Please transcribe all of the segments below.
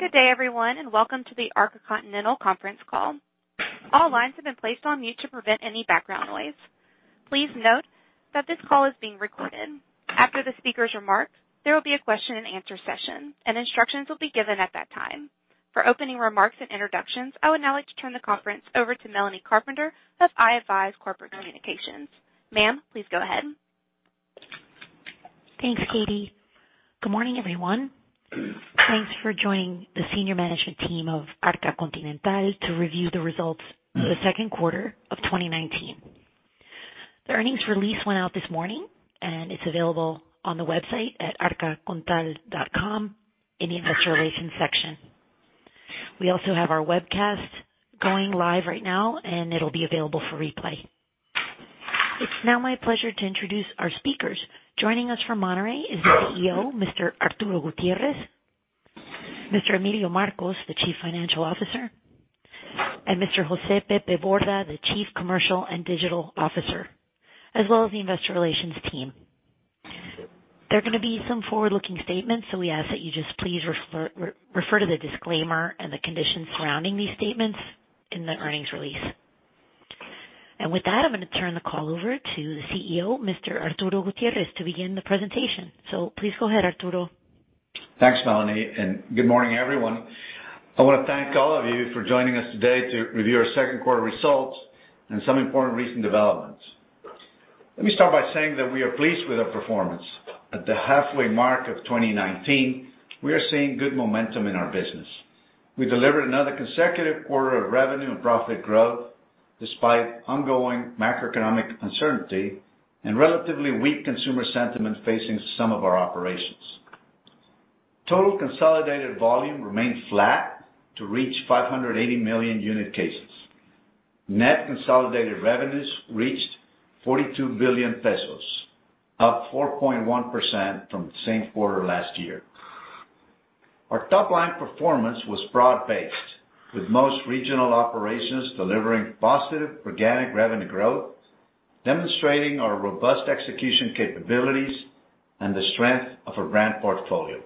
Good day, everyone, and welcome to the Arca Continental conference call. All lines have been placed on mute to prevent any background noise. Please note that this call is being recorded. After the speaker's remarks, there will be a question and answer session, and instructions will be given at that time. For opening remarks and introductions, I would now like to turn the conference over to Melanie Carpenter of i-advize Corporate Communications. Ma'am, please go ahead. Thanks, Katie. Good morning, everyone. Thanks for joining the senior management team of Arca Continental to review the results for the second quarter of 2019. The earnings release went out this morning. It's available on the website at arcacontinental.com in the investor relations section. We also have our webcast going live right now. It'll be available for replay. It's now my pleasure to introduce our speakers. Joining us from Monterrey is the CEO, Mr. Arturo Gutiérrez, Mr. Emilio Marcos, the Chief Financial Officer, and Mr. Jose "Pepe" Borda, the Chief Commercial and Digital Officer, as well as the investor relations team. There are going to be some forward-looking statements. We ask that you just please refer to the disclaimer and the conditions surrounding these statements in the earnings release. With that, I'm going to turn the call over to the CEO, Mr. Arturo Gutiérrez, to begin the presentation. Please go ahead, Arturo. Thanks, Melanie. Good morning, everyone. I want to thank all of you for joining us today to review our second quarter results and some important recent developments. Let me start by saying that we are pleased with our performance. At the halfway mark of 2019, we are seeing good momentum in our business. We delivered another consecutive quarter of revenue and profit growth, despite ongoing macroeconomic uncertainty and relatively weak consumer sentiment facing some of our operations. Total consolidated volume remained flat to reach 580 million unit cases. Net consolidated revenues reached 42 billion pesos, up 4.1% from the same quarter last year. Our top-line performance was broad-based, with most regional operations delivering positive organic revenue growth, demonstrating our robust execution capabilities and the strength of our brand portfolio.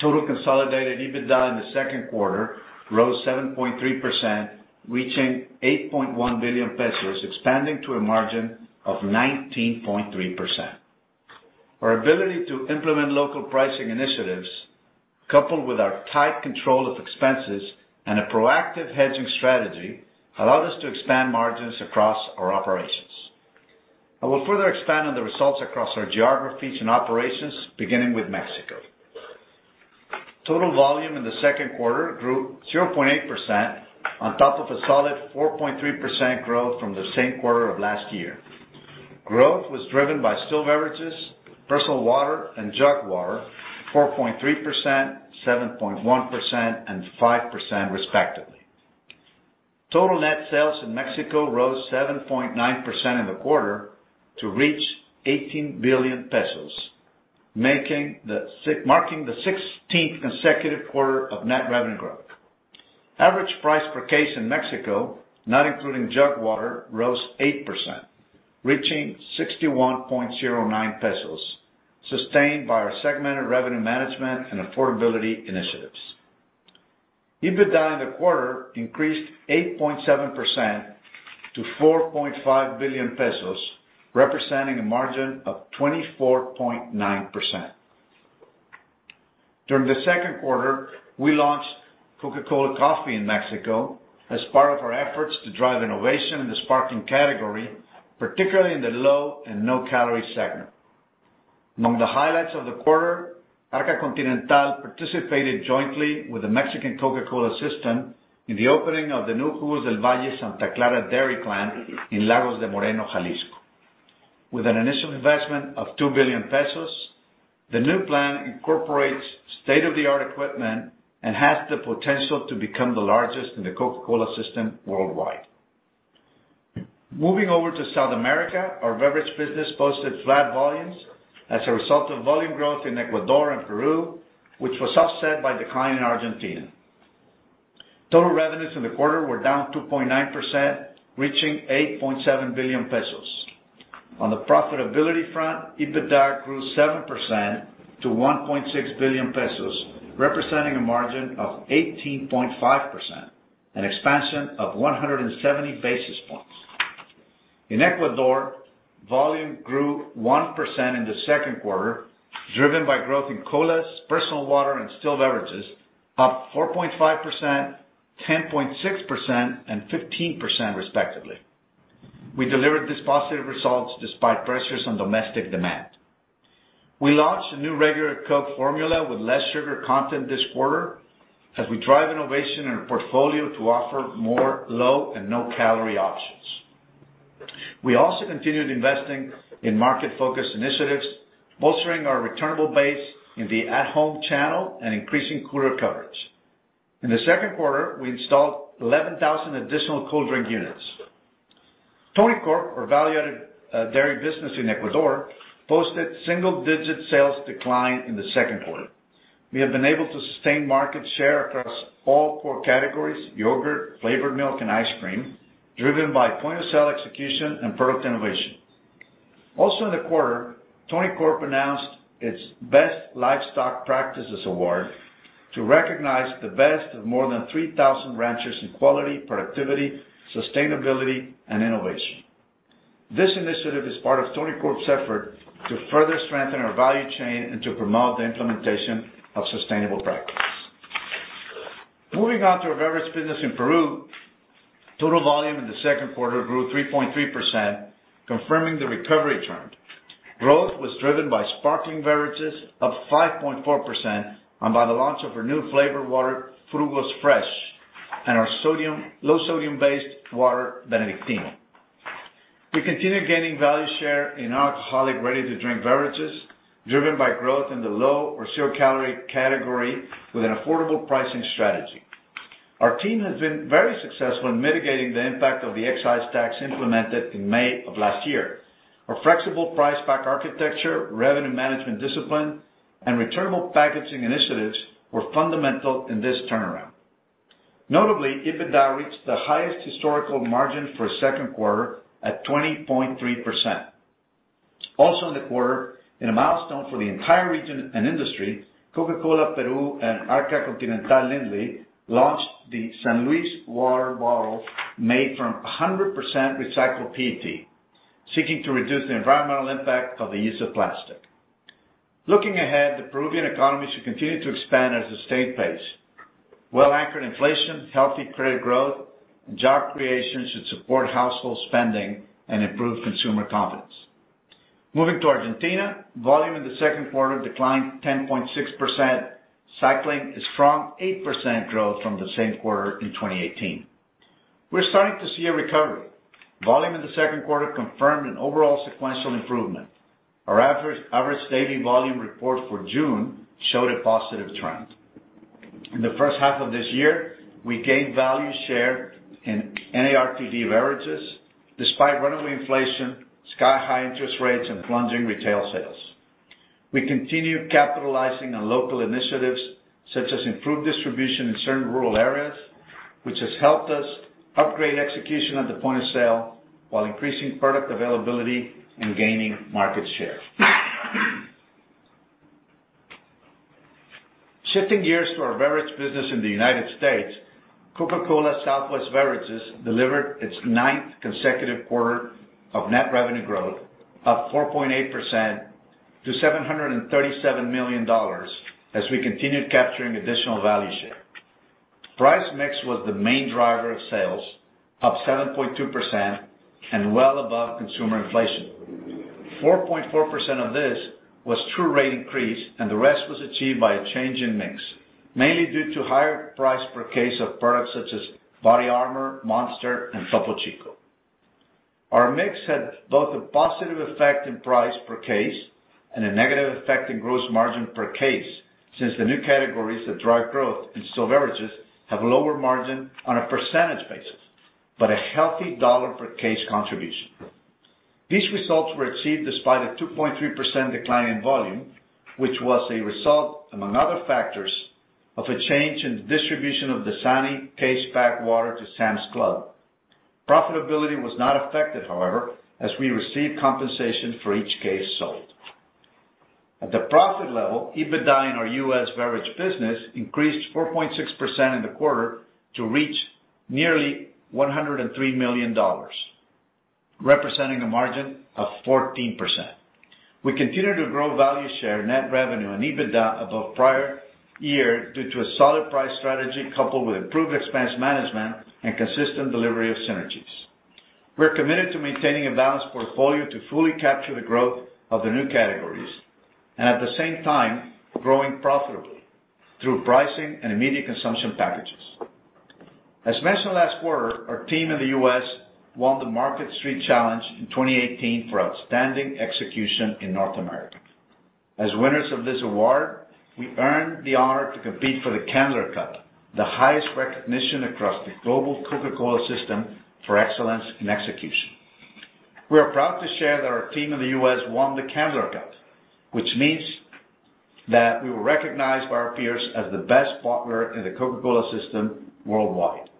Total consolidated EBITDA in the second quarter rose 7.3%, reaching 8.1 billion pesos, expanding to a margin of 19.3%. Our ability to implement local pricing initiatives, coupled with our tight control of expenses and a proactive hedging strategy, allowed us to expand margins across our operations. I will further expand on the results across our geographies and operations, beginning with Mexico. Total volume in the second quarter grew 0.8% on top of a solid 4.3% growth from the same quarter of last year. Growth was driven by still beverages, personal water, and jug water, 4.3%, 7.1%, and 5% respectively. Total net sales in Mexico rose 7.9% in the quarter to reach 18 billion pesos, marking the 16th consecutive quarter of net revenue growth. Average price per case in Mexico, not including jug water, rose 8%, reaching 61.09 pesos, sustained by our segmented revenue management and affordability initiatives. EBITDA in the quarter increased 8.7% to 4.5 billion pesos, representing a margin of 24.9%. During the second quarter, we launched Coca-Cola Coffee in Mexico as part of our efforts to drive innovation in the sparkling category, particularly in the low and no-calorie segment. Among the highlights of the quarter, Arca Continental participated jointly with the Mexican Coca-Cola system in the opening of the new Jugos del Valle Santa Clara dairy plant in Lagos de Moreno, Jalisco. With an initial investment of 2 billion pesos, the new plant incorporates state-of-the-art equipment and has the potential to become the largest in the Coca-Cola system worldwide. Moving over to South America, our beverage business posted flat volumes as a result of volume growth in Ecuador and Peru, which was offset by decline in Argentina. Total revenues in the quarter were down 2.9%, reaching 8.7 billion pesos. On the profitability front, EBITDA grew 7% to 1.6 billion pesos, representing a margin of 18.5%, an expansion of 170 basis points. In Ecuador, volume grew 1% in the second quarter, driven by growth in colas, personal water, and still beverages, up 4.5%, 10.6%, and 15% respectively. We delivered these positive results despite pressures on domestic demand. We launched a new regular Coke formula with less sugar content this quarter as we drive innovation in our portfolio to offer more low and no-calorie options. We also continued investing in market-focused initiatives, bolstering our returnable base in the at-home channel and increasing cooler coverage. In the second quarter, we installed 11,000 additional cold drink units. Tonicorp, our value-added dairy business in Ecuador, posted single-digit sales decline in the second quarter. We have been able to sustain market share across all four categories, yogurt, flavored milk, and ice cream, driven by point-of-sale execution and product innovation. Also in the quarter, Tonicorp announced its Best Livestock Practices Award to recognize the best of more than 3,000 ranchers in quality, productivity, sustainability, and innovation. This initiative is part of Tonicorp's effort to further strengthen our value chain and to promote the implementation of sustainable practices. Moving on to our beverage business in Peru. Total volume in the second quarter grew 3.3%, confirming the recovery trend. Growth was driven by Sparkling Beverages, up 5.4%, and by the launch of our new flavored water, Frugos Fresh, and our low sodium-based water, Benedictino. We continue gaining value share in non-alcoholic, ready-to-drink beverages, driven by growth in the low or zero-calorie category with an affordable pricing strategy. Our team has been very successful in mitigating the impact of the excise tax implemented in May of last year. Our flexible price pack architecture, revenue management discipline, and returnable packaging initiatives were fundamental in this turnaround. Notably, EBITDA reached the highest historical margin for a second quarter at 20.3%. Also in the quarter, in a milestone for the entire region and industry, Coca-Cola Peru and Arca Continental Lindley launched the San Luis water bottle made from 100% recycled PET, seeking to reduce the environmental impact of the use of plastic. Looking ahead, the Peruvian economy should continue to expand at a sustained pace. Well-anchored inflation, healthy credit growth, and job creation should support household spending and improve consumer confidence. Moving to Argentina, volume in the second quarter declined 10.6%, cycling a strong 8% growth from the same quarter in 2018. We're starting to see a recovery. Volume in the second quarter confirmed an overall sequential improvement. Our average daily volume report for June showed a positive trend. In the first half of this year, we gained value share in NARTD beverages, despite runaway inflation, sky-high interest rates, and plunging retail sales. We continue capitalizing on local initiatives such as improved distribution in certain rural areas, which has helped us upgrade execution at the point of sale while increasing product availability and gaining market share. Shifting gears to our beverage business in the United States, Coca-Cola Southwest Beverages delivered its ninth consecutive quarter of net revenue growth, up 4.8% to $737 million as we continued capturing additional value share. Price mix was the main driver of sales, up 7.2% and well above consumer inflation, 4.4% of this was true rate increase. The rest was achieved by a change in mix, mainly due to higher price per case of products such as BODYARMOR, Monster, and Topo Chico. Our mix had both a positive effect in price per case and a negative effect in gross margin per case, since the new categories that drive growth in still beverages have a lower margin on a percentage basis, but a healthy dollar per case contribution. These results were achieved despite a 2.3% decline in volume, which was a result, among other factors, of a change in the distribution of DASANI case pack water to Sam's Club. Profitability was not affected, however, as we received compensation for each case sold. At the profit level, EBITDA in our U.S. beverage business increased 4.6% in the quarter to reach nearly $103 million, representing a margin of 14%. We continue to grow value share, net revenue and EBITDA above prior year due to a solid price strategy coupled with improved expense management and consistent delivery of synergies. We're committed to maintaining a balanced portfolio to fully capture the growth of the new categories, at the same time, growing profitably through pricing and immediate consumption packages. As mentioned last quarter, our team in the U.S. won the Market Street Challenge in 2018 for outstanding execution in North America. As winners of this award, we earned the honor to compete for the Candler Cup, the highest recognition across the global Coca-Cola system for excellence in execution. We are proud to share that our team in the U.S. won the Candler Cup, which means that we were recognized by our peers as the best partner in the Coca-Cola system worldwide.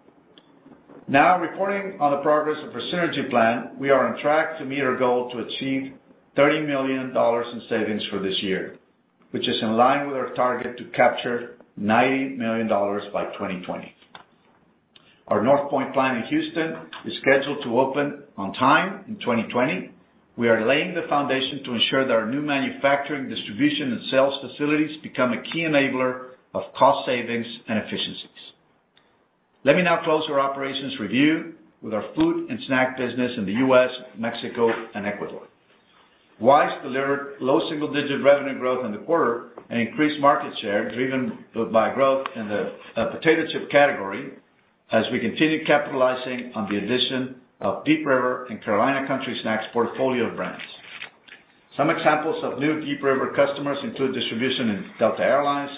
Now, reporting on the progress of our synergy plan, we are on track to meet our goal to achieve $30 million in savings for this year, which is in line with our target to capture $90 million by 2020. Our Northpoint plant in Houston is scheduled to open on time in 2020. We are laying the foundation to ensure that our new manufacturing, distribution, and sales facilities become a key enabler of cost savings and efficiencies. Let me now close our operations review with our food and snack business in the U.S., Mexico, and Ecuador. Wise delivered low single-digit revenue growth in the quarter and increased market share, driven by growth in the potato chip category, as we continued capitalizing on the addition of Deep River and Carolina Country Snacks' portfolio of brands. Some examples of new Deep River customers include distribution in Delta Air Lines,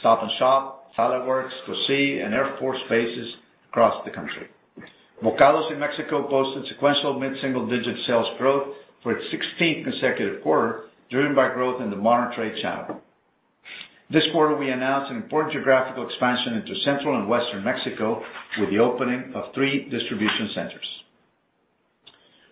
Stop & Shop, Saladworks, Cosi, and Air Force bases across the country. Bokados in Mexico posted sequential mid-single digit sales growth for its 16th consecutive quarter, driven by growth in the modern trade channel. This quarter, we announced an important geographical expansion into Central and Western Mexico with the opening of three distribution centers.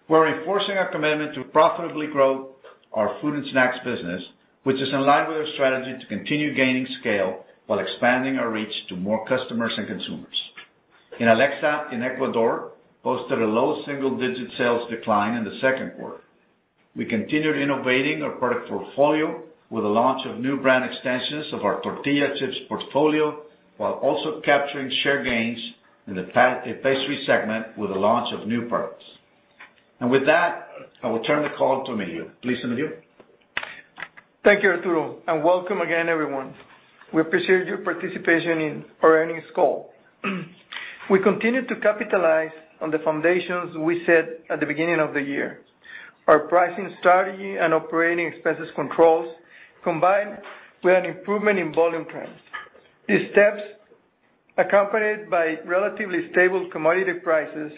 We're enforcing our commitment to profitably grow our food and snacks business, which is in line with our strategy to continue gaining scale while expanding our reach to more customers and consumers. Inalecsa, in Ecuador, posted a low single digit sales decline in the second quarter. We continued innovating our product portfolio with the launch of new brand extensions of our tortilla chips portfolio, while also capturing share gains in the pastry segment with the launch of new products. With that, I will turn the call to Emilio. Please, Emilio. Thank you, Arturo, and welcome again, everyone. We appreciate your participation in our earnings call. We continue to capitalize on the foundations we set at the beginning of the year, our pricing strategy and operating expenses controls, combined with an improvement in volume trends. These steps, accompanied by relatively stable commodity prices,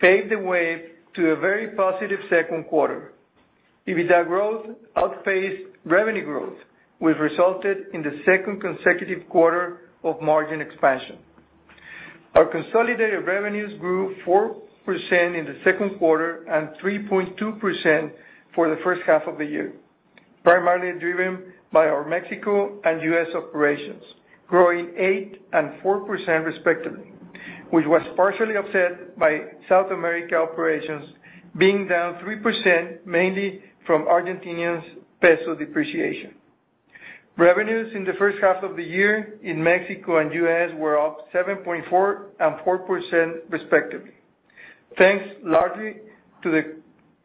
paved the way to a very positive second quarter. EBITDA growth outpaced revenue growth, which resulted in the second consecutive quarter of margin expansion. Our consolidated revenues grew 4% in the second quarter and 3.2% for the first half of the year, primarily driven by our Mexico and U.S. operations, growing 8% and 4% respectively, which was partially offset by South America operations being down 3%, mainly from Argentine peso depreciation. Revenues in the first half of the year in Mexico and U.S. were up 7.4% and 4% respectively, thanks largely to the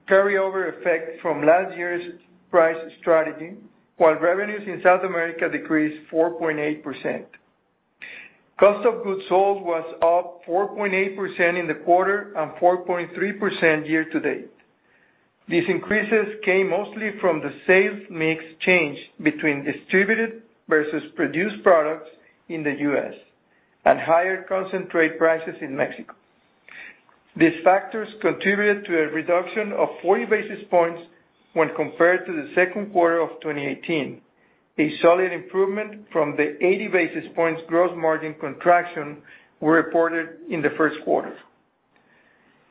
carryover effect from last year's price strategy, while revenues in South America decreased 4.8%. COGS was up 4.8% in the quarter and 4.3% year-to-date. These increases came mostly from the sales mix change between distributed versus produced products in the U.S. and higher concentrate prices in Mexico. These factors contributed to a reduction of 40 basis points when compared to the second quarter of 2018, a solid improvement from the 80 basis points gross margin contraction we reported in the first quarter.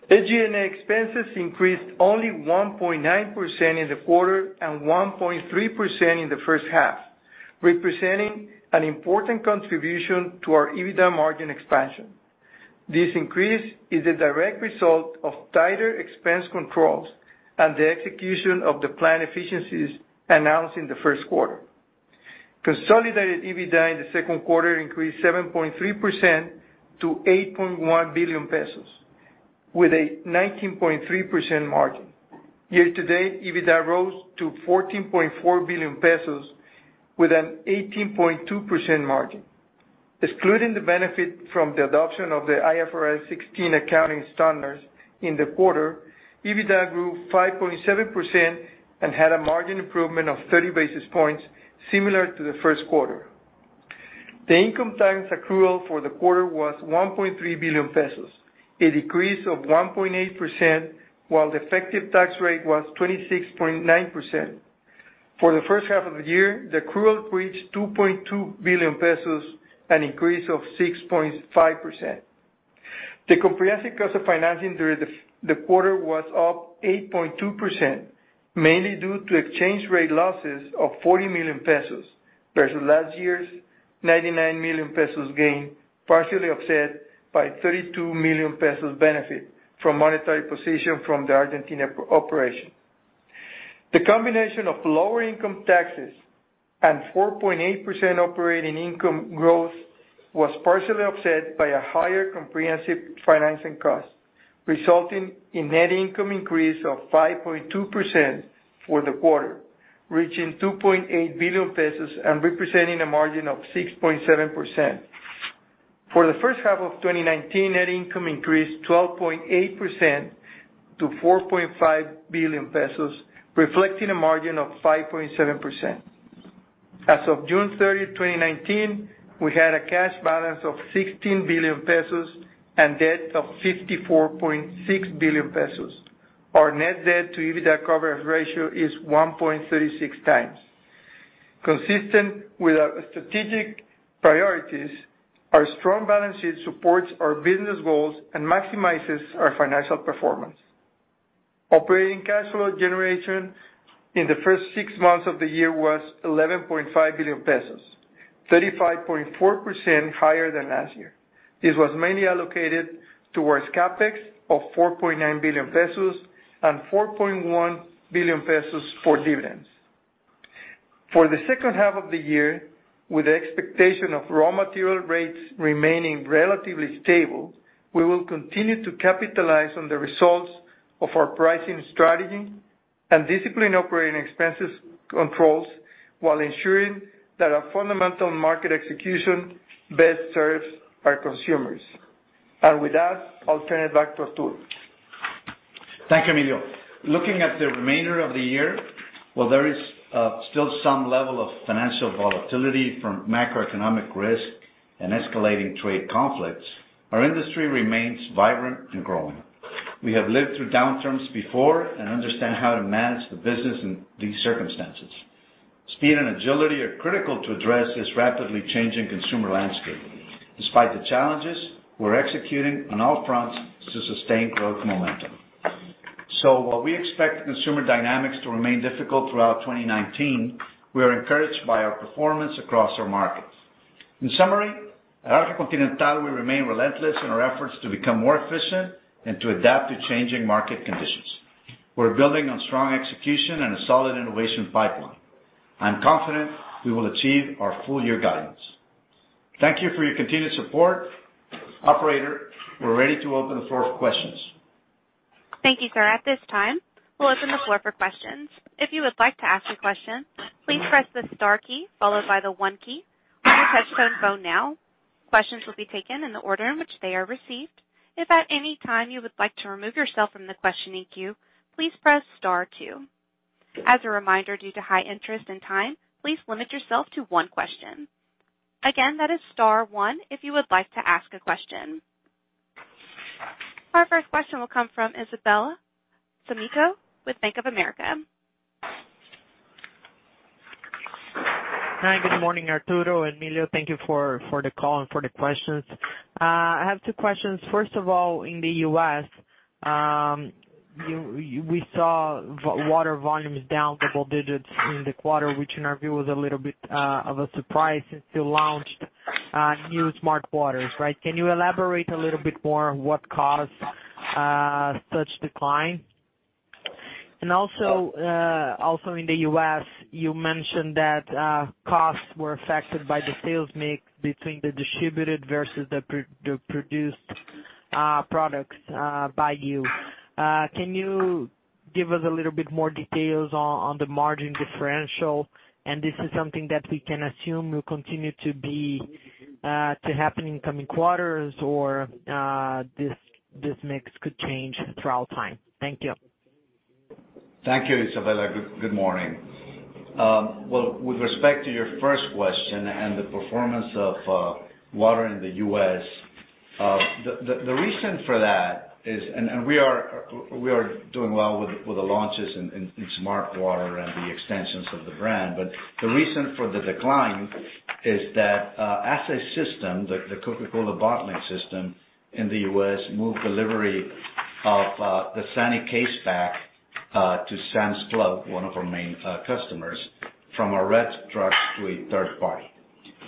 SG&A expenses increased only 1.9% in the quarter and 1.3% in the first half, representing an important contribution to our EBITDA margin expansion. This increase is a direct result of tighter expense controls and the execution of the plan efficiencies announced in the first quarter. Consolidated EBITDA in the second quarter increased 7.3% to 8.1 billion pesos, with a 19.3% margin. Year-to-date, EBITDA rose to 14.4 billion pesos with an 18.2% margin. Excluding the benefit from the adoption of the IFRS 16 accounting standards in the quarter, EBITDA grew 5.7% and had a margin improvement of 30 basis points, similar to the first quarter. The income tax accrual for the quarter was 1.3 billion pesos, a decrease of 1.8%, while the effective tax rate was 26.9%. For the first half of the year, the accrual reached 2.2 billion pesos, an increase of 6.5%. The comprehensive cost of financing during the quarter was up 8.2%, mainly due to exchange rate losses of 40 million pesos versus last year's 99 million pesos gain, partially offset by 32 million pesos benefit from monetary position from the Argentina operation. The combination of lower income taxes and 4.8% operating income growth was partially offset by a higher comprehensive financing cost, resulting in net income increase of 5.2% for the quarter, reaching 2.8 billion pesos and representing a margin of 6.7%. For the first half of 2019, net income increased 12.8% to 4.5 billion pesos, reflecting a margin of 5.7%. As of June 30th, 2019, we had a cash balance of 16 billion pesos and debt of 54.6 billion pesos. Our net debt to EBITDA coverage ratio is 1.36x. Consistent with our strategic priorities, our strong balance sheet supports our business goals and maximizes our financial performance. Operating cash flow generation in the first six months of the year was 11.5 billion pesos, 35.4% higher than last year. This was mainly allocated towards CapEx of 4.9 billion pesos and 4.1 billion pesos for dividends. For the second half of the year, with the expectation of raw material rates remaining relatively stable, we will continue to capitalize on the results of our pricing strategy and discipline operating expenses controls while ensuring that our fundamental market execution best serves our consumers. With that, I'll turn it back to Arturo. Thank you, Emilio. Looking at the remainder of the year, while there is still some level of financial volatility from macroeconomic risk and escalating trade conflicts, our industry remains vibrant and growing. We have lived through downturns before and understand how to manage the business in these circumstances. Speed and agility are critical to address this rapidly changing consumer landscape. Despite the challenges, we're executing on all fronts to sustain growth momentum. While we expect consumer dynamics to remain difficult throughout 2019, we are encouraged by our performance across our markets. In summary, at Arca Continental, we remain relentless in our efforts to become more efficient and to adapt to changing market conditions. We're building on strong execution and a solid innovation pipeline. I'm confident we will achieve our full year guidance. Thank you for your continued support. Operator, we're ready to open the floor for questions. Thank you, sir. At this time, we'll open the floor for questions. If you would like to ask a question, please press the star key followed by the one key on your touch-tone phone now. Questions will be taken in the order in which they are received. If at any time you would like to remove yourself from the questioning queue, please press star two. As a reminder, due to high interest and time, please limit yourself to one question. Again, that is star one if you would like to ask a question. Our first question will come from Isabella Simonato with Bank of America. Hi, good morning, Arturo and Emilio. Thank you for the call and for the questions. I have two questions. First of all, in the U.S., we saw water volumes down double-digits in the quarter, which in our view was a little bit of a surprise since you launched new smartwater, right? Can you elaborate a little bit more on what caused such decline? Also in the U.S., you mentioned that costs were affected by the sales mix between the distributed versus the produced products by you. Can you give us a little bit more details on the margin differential? This is something that we can assume will continue to happen in coming quarters, or this mix could change throughout time. Thank you. Thank you, Isabella. Good morning. Well, with respect to your first question and the performance of water in the U.S., the reason for that is we are doing well with the launches in smartwater and the extensions of the brand, but the reason for the decline is that as a system, the Coca-Cola bottling system in the U.S. moved delivery of the DASANI case back to Sam's Club, one of our main customers, from a red truck to a third party.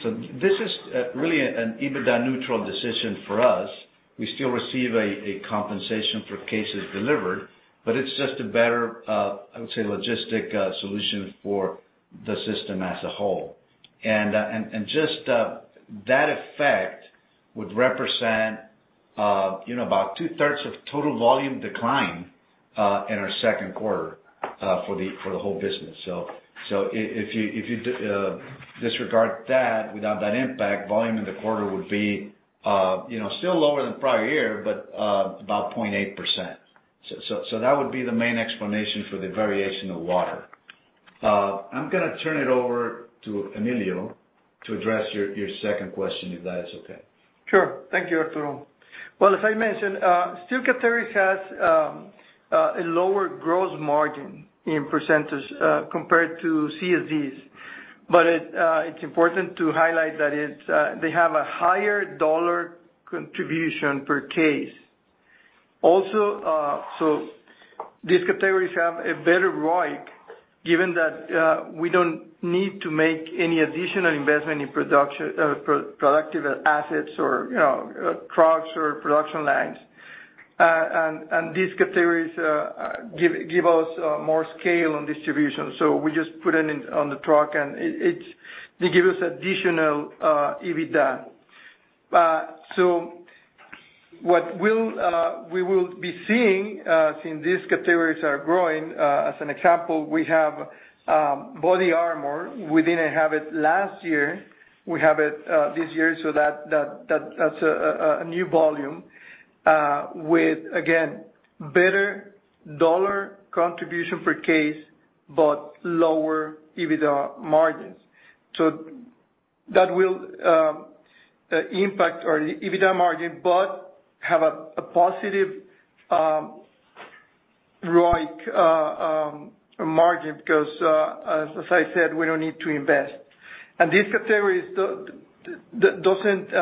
This is really an EBITDA-neutral decision for us. We still receive a compensation for cases delivered, but it's just a better, I would say, logistic solution for the system as a whole. Just that effect would represent about 2/3 of total volume decline, in our second quarter, for the whole business. If you disregard that, without that impact, volume in the quarter would be still lower than prior year, but about 0.8%. That would be the main explanation for the variation of water. I'm gonna turn it over to Emilio to address your second question, if that is okay. Sure. Thank you, Arturo. As I mentioned, still categories has a lower gross margin in percentage compared to CSDs. It's important to highlight that they have a higher dollar contribution per case. Also, these categories have a better ROIC given that we don't need to make any additional investment in productive assets or trucks or production lines. These categories give us more scale on distribution, so we just put it on the truck, and they give us additional EBITDA. What we will be seeing, since these categories are growing, as an example, we have BODYARMOR. We didn't have it last year. We have it this year, so that's a new volume, with, again, better dollar contribution per case, but lower EBITDA margins. That will impact our EBITDA margin but have a positive ROIC margin because, as I said, we don't need to invest. These categories doesn't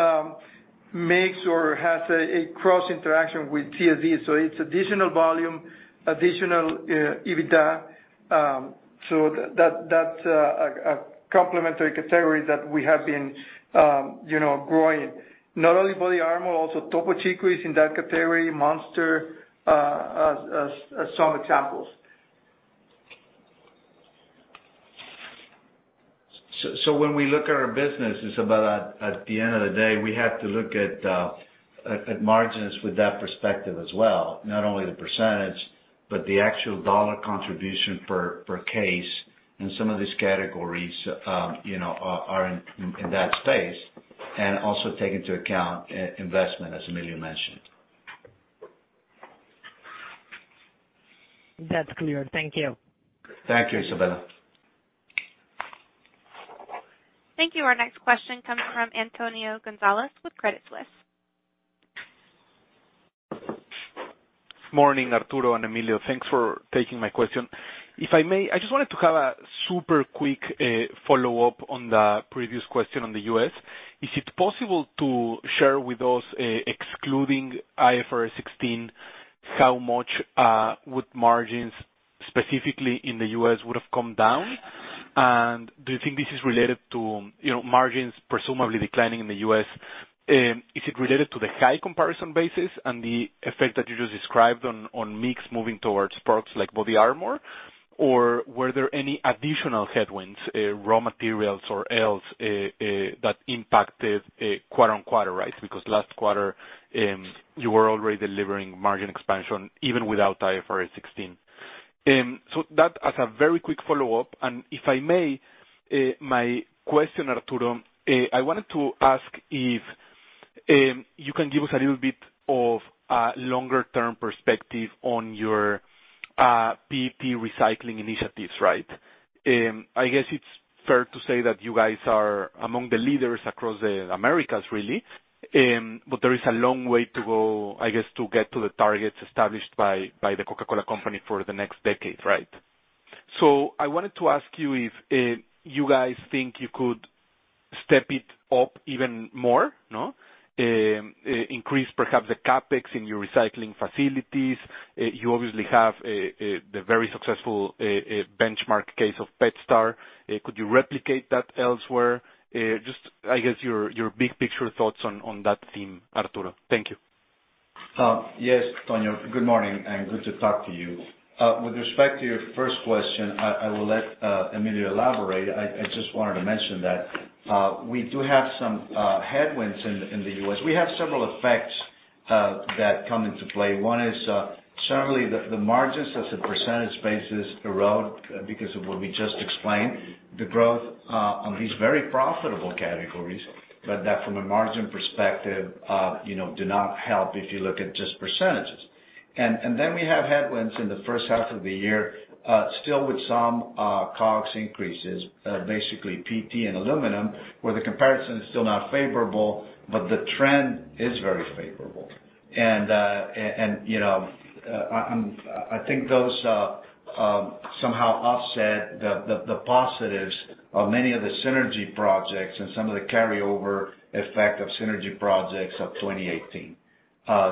mix or has a cross-interaction with [CSDs]. It's additional volume, additional EBITDA, so that's a complementary category that we have been growing, not only BODYARMOR, also Topo Chico is in that category, Monster, as some examples. When we look at our business, Isabella, at the end of the day, we have to look at margins with that perspective as well, not only the percentage, but the actual dollar contribution per case, and some of these categories are in that space, and also take into account investment, as Emilio mentioned. That's clear. Thank you. Thank you, Isabella. Thank you. Our next question comes from Antonio Gonzalez with Credit Suisse. Morning, Arturo and Emilio. Thanks for taking my question. If I may, I just wanted to have a super quick follow-up on the previous question on the U.S. Is it possible to share with us, excluding IFRS 16, how much would margins, specifically in the U.S., would have come down? Do you think this is related to margins presumably declining in the U.S.? Is it related to the high comparison basis and the effect that you just described on mix moving towards products like BODYARMOR? Were there any additional headwinds, raw materials or else, that impacted quarter-on-quarter, right? Last quarter, you were already delivering margin expansion even without IFRS 16. That as a very quick follow-up. If I may, my question, Arturo, I wanted to ask if you can give us a little bit of a longer-term perspective on your PET recycling initiatives, right? I guess it's fair to say that you guys are among the leaders across the Americas, really. There is a long way to go, I guess, to get to the targets established by the Coca-Cola Company for the next decade, right? I wanted to ask you if you guys think you could step it up even more, no? Increase perhaps the CapEx in your recycling facilities. You obviously have the very successful benchmark case of PetStar. Could you replicate that elsewhere? Just, I guess, your big-picture thoughts on that theme, Arturo. Thank you. Yes, Tonio. Good morning. Good to talk to you. With respect to your first question, I will let Emilio elaborate. I just wanted to mention that we do have some headwinds in the U.S. We have several effects that come into play. One is certainly the margins as a percentage basis erode because of what we just explained, the growth on these very profitable categories, that from a margin perspective do not help if you look at just percentages. We have headwinds in the first half of the year, still with some COGS increases, basically PET and aluminum, where the comparison is still not favorable, the trend is very favorable. I think those somehow offset the positives of many of the synergy projects and some of the carryover effect of synergy projects of 2018. I'll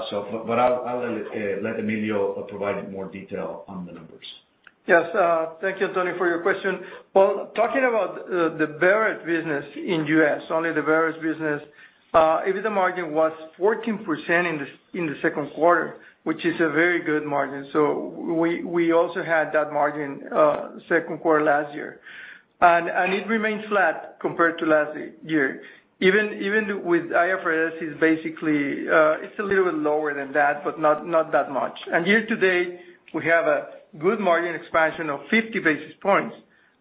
let Emilio provide more detail on the numbers. Yes. Thank you, Tonio, for your question. Well, talking about the Wise business in U.S., only the Wise business, EBITDA margin was 14% in the second quarter, which is a very good margin. We also had that margin second quarter last year. It remains flat compared to last year. Even with IFRS is basically, it's a little bit lower than that, but not that much. Year-to-date, we have a good margin expansion of 50 basis points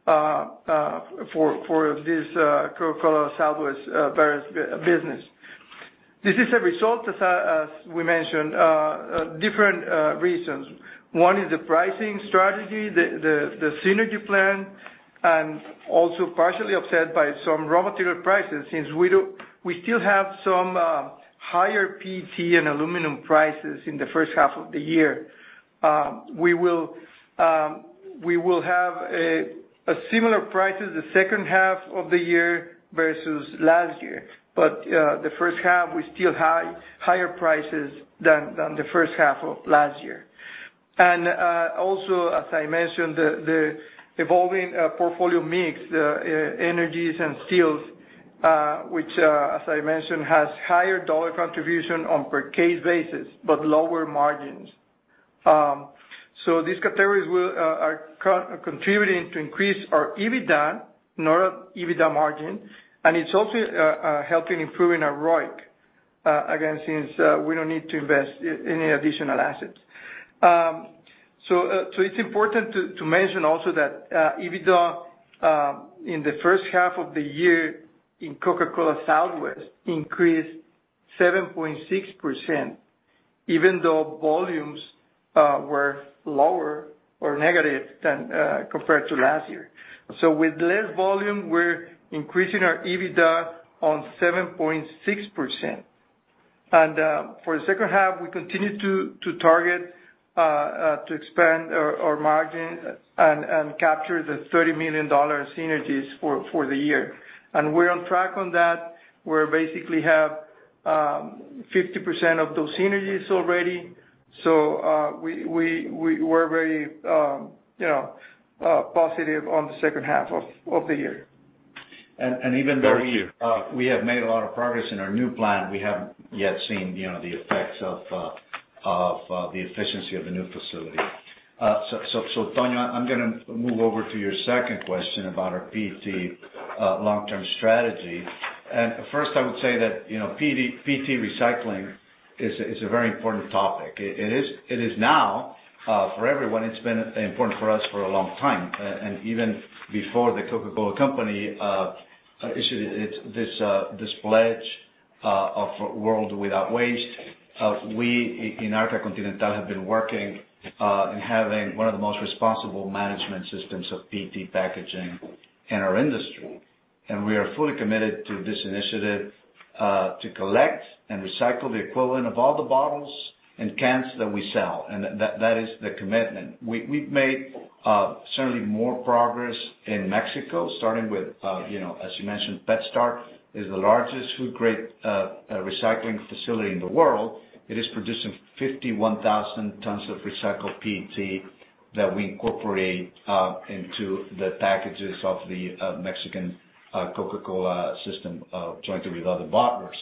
for this Coca-Cola Southwest Beverages business. This is a result, as we mentioned, different reasons. One is the pricing strategy, the synergy plan, and also partially offset by some raw material prices, since we still have some higher PET and aluminum prices in the first half of the year. We will have a similar prices the second half of the year versus last year. The first half, we still have higher prices than the first half of last year. Also as I mentioned, the evolving portfolio mix, energies and stills, which as I mentioned, has higher dollar contribution on per case basis, but lower margins. These categories are contributing to increase our EBITDA, not our EBITDA margin, and it's also helping improving our ROIC, again, since we don't need to invest any additional assets. It's important to mention also that EBITDA in the first half of the year in Coca-Cola Southwest increased 7.6%, even though volumes were lower or negative compared to last year. With less volume, we're increasing our EBITDA on 7.6%. For the second half, we continue to target to expand our margin and capture the $30 million synergies for the year. We're on track on that. We basically have 50% of those synergies already. We're very positive on the second half of the year. Even though we have made a lot of progress in our new plan, we haven't yet seen the effects of the efficiency of the new facility. Tonio, I'm gonna move over to your second question about our PET long-term strategy. First I would say that PET recycling is a very important topic. It is now for everyone. It's been important for us for a long time. Even before The Coca-Cola Company issued this pledge of World Without Waste. We, in Arca Continental, have been working in having one of the most responsible management systems of PET packaging in our industry. We are fully committed to this initiative to collect and recycle the equivalent of all the bottles and cans that we sell, and that is the commitment. We've made certainly more progress in Mexico, starting with, as you mentioned, PetStar is the largest food-grade recycling facility in the world. It is producing 51,000 tonnes of recycled PET that we incorporate into the packages of the Mexican Coca-Cola system, jointly with other bottlers.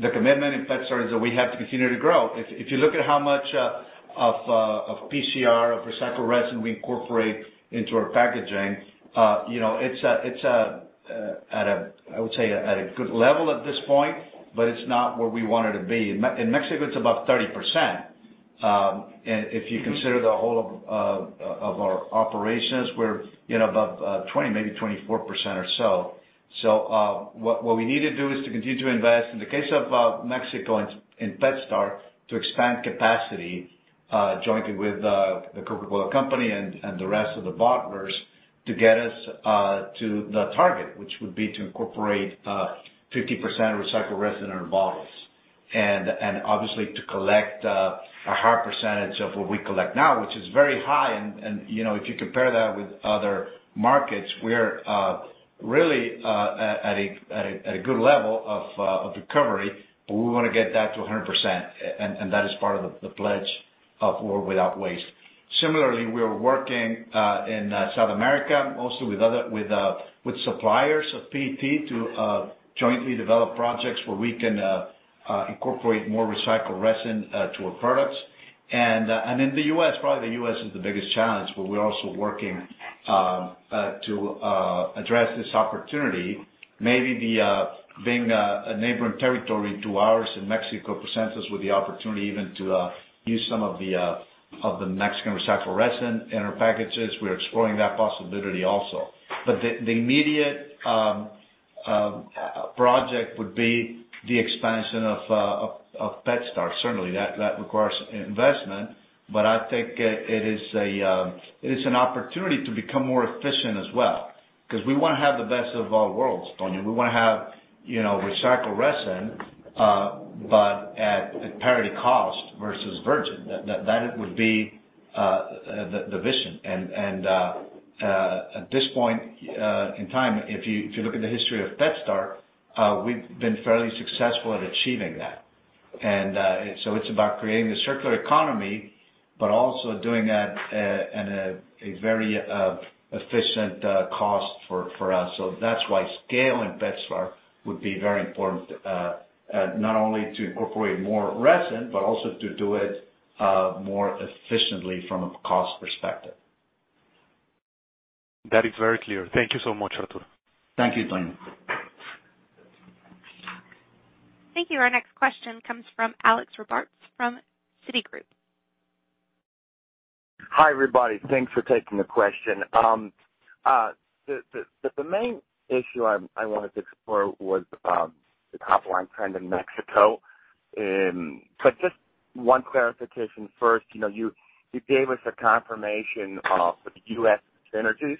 The commitment in PetStar is that we have to continue to grow. If you look at how much of PCR, of recycled resin we incorporate into our packaging, it's at, I would say, at a good level at this point, but it's not where we want it to be. In Mexico, it's about 30%. If you consider the whole of our operations, we're above 20%, maybe 24% or so. What we need to do is to continue to invest, in the case of Mexico and PetStar, to expand capacity, jointly with The Coca-Cola Company and the rest of the bottlers to get us to the target, which would be to incorporate 50% recycled resin in our bottles. Obviously to collect a higher percentage of what we collect now, which is very high, and if you compare that with other markets, we are really at a good level of recovery, but we want to get that to 100%. That is part of the pledge of World Without Waste. Similarly, we are working in South America, mostly with suppliers of PET to jointly develop projects where we can incorporate more recycled resin to our products. In the U.S., probably the U.S. is the biggest challenge, but we're also working to address this opportunity. Maybe being a neighboring territory to ours in Mexico presents us with the opportunity even to use some of the Mexican recycled resin in our packages. We are exploring that possibility also. The immediate project would be the expansion of PetStar. Certainly, that requires investment, but I think it is an opportunity to become more efficient as well. We want to have the best of both worlds, Tonio. We want to have recycled resin, but at parity cost versus virgin. That would be the vision. At this point in time, if you look at the history of PetStar, we've been fairly successful at achieving that. It's about creating a circular economy, but also doing it at a very efficient cost for us. That's why scale in PetStar would be very important, not only to incorporate more resin, but also to do it more efficiently from a cost perspective. That is very clear. Thank you so much, Arturo. Thank you, Tonio. Thank you. Our next question comes from Alex Robarts from Citigroup. Hi, everybody. Thanks for taking the question. The main issue I wanted to explore was the top-line trend in Mexico. Just one clarification first. You gave us a confirmation of the U.S. synergies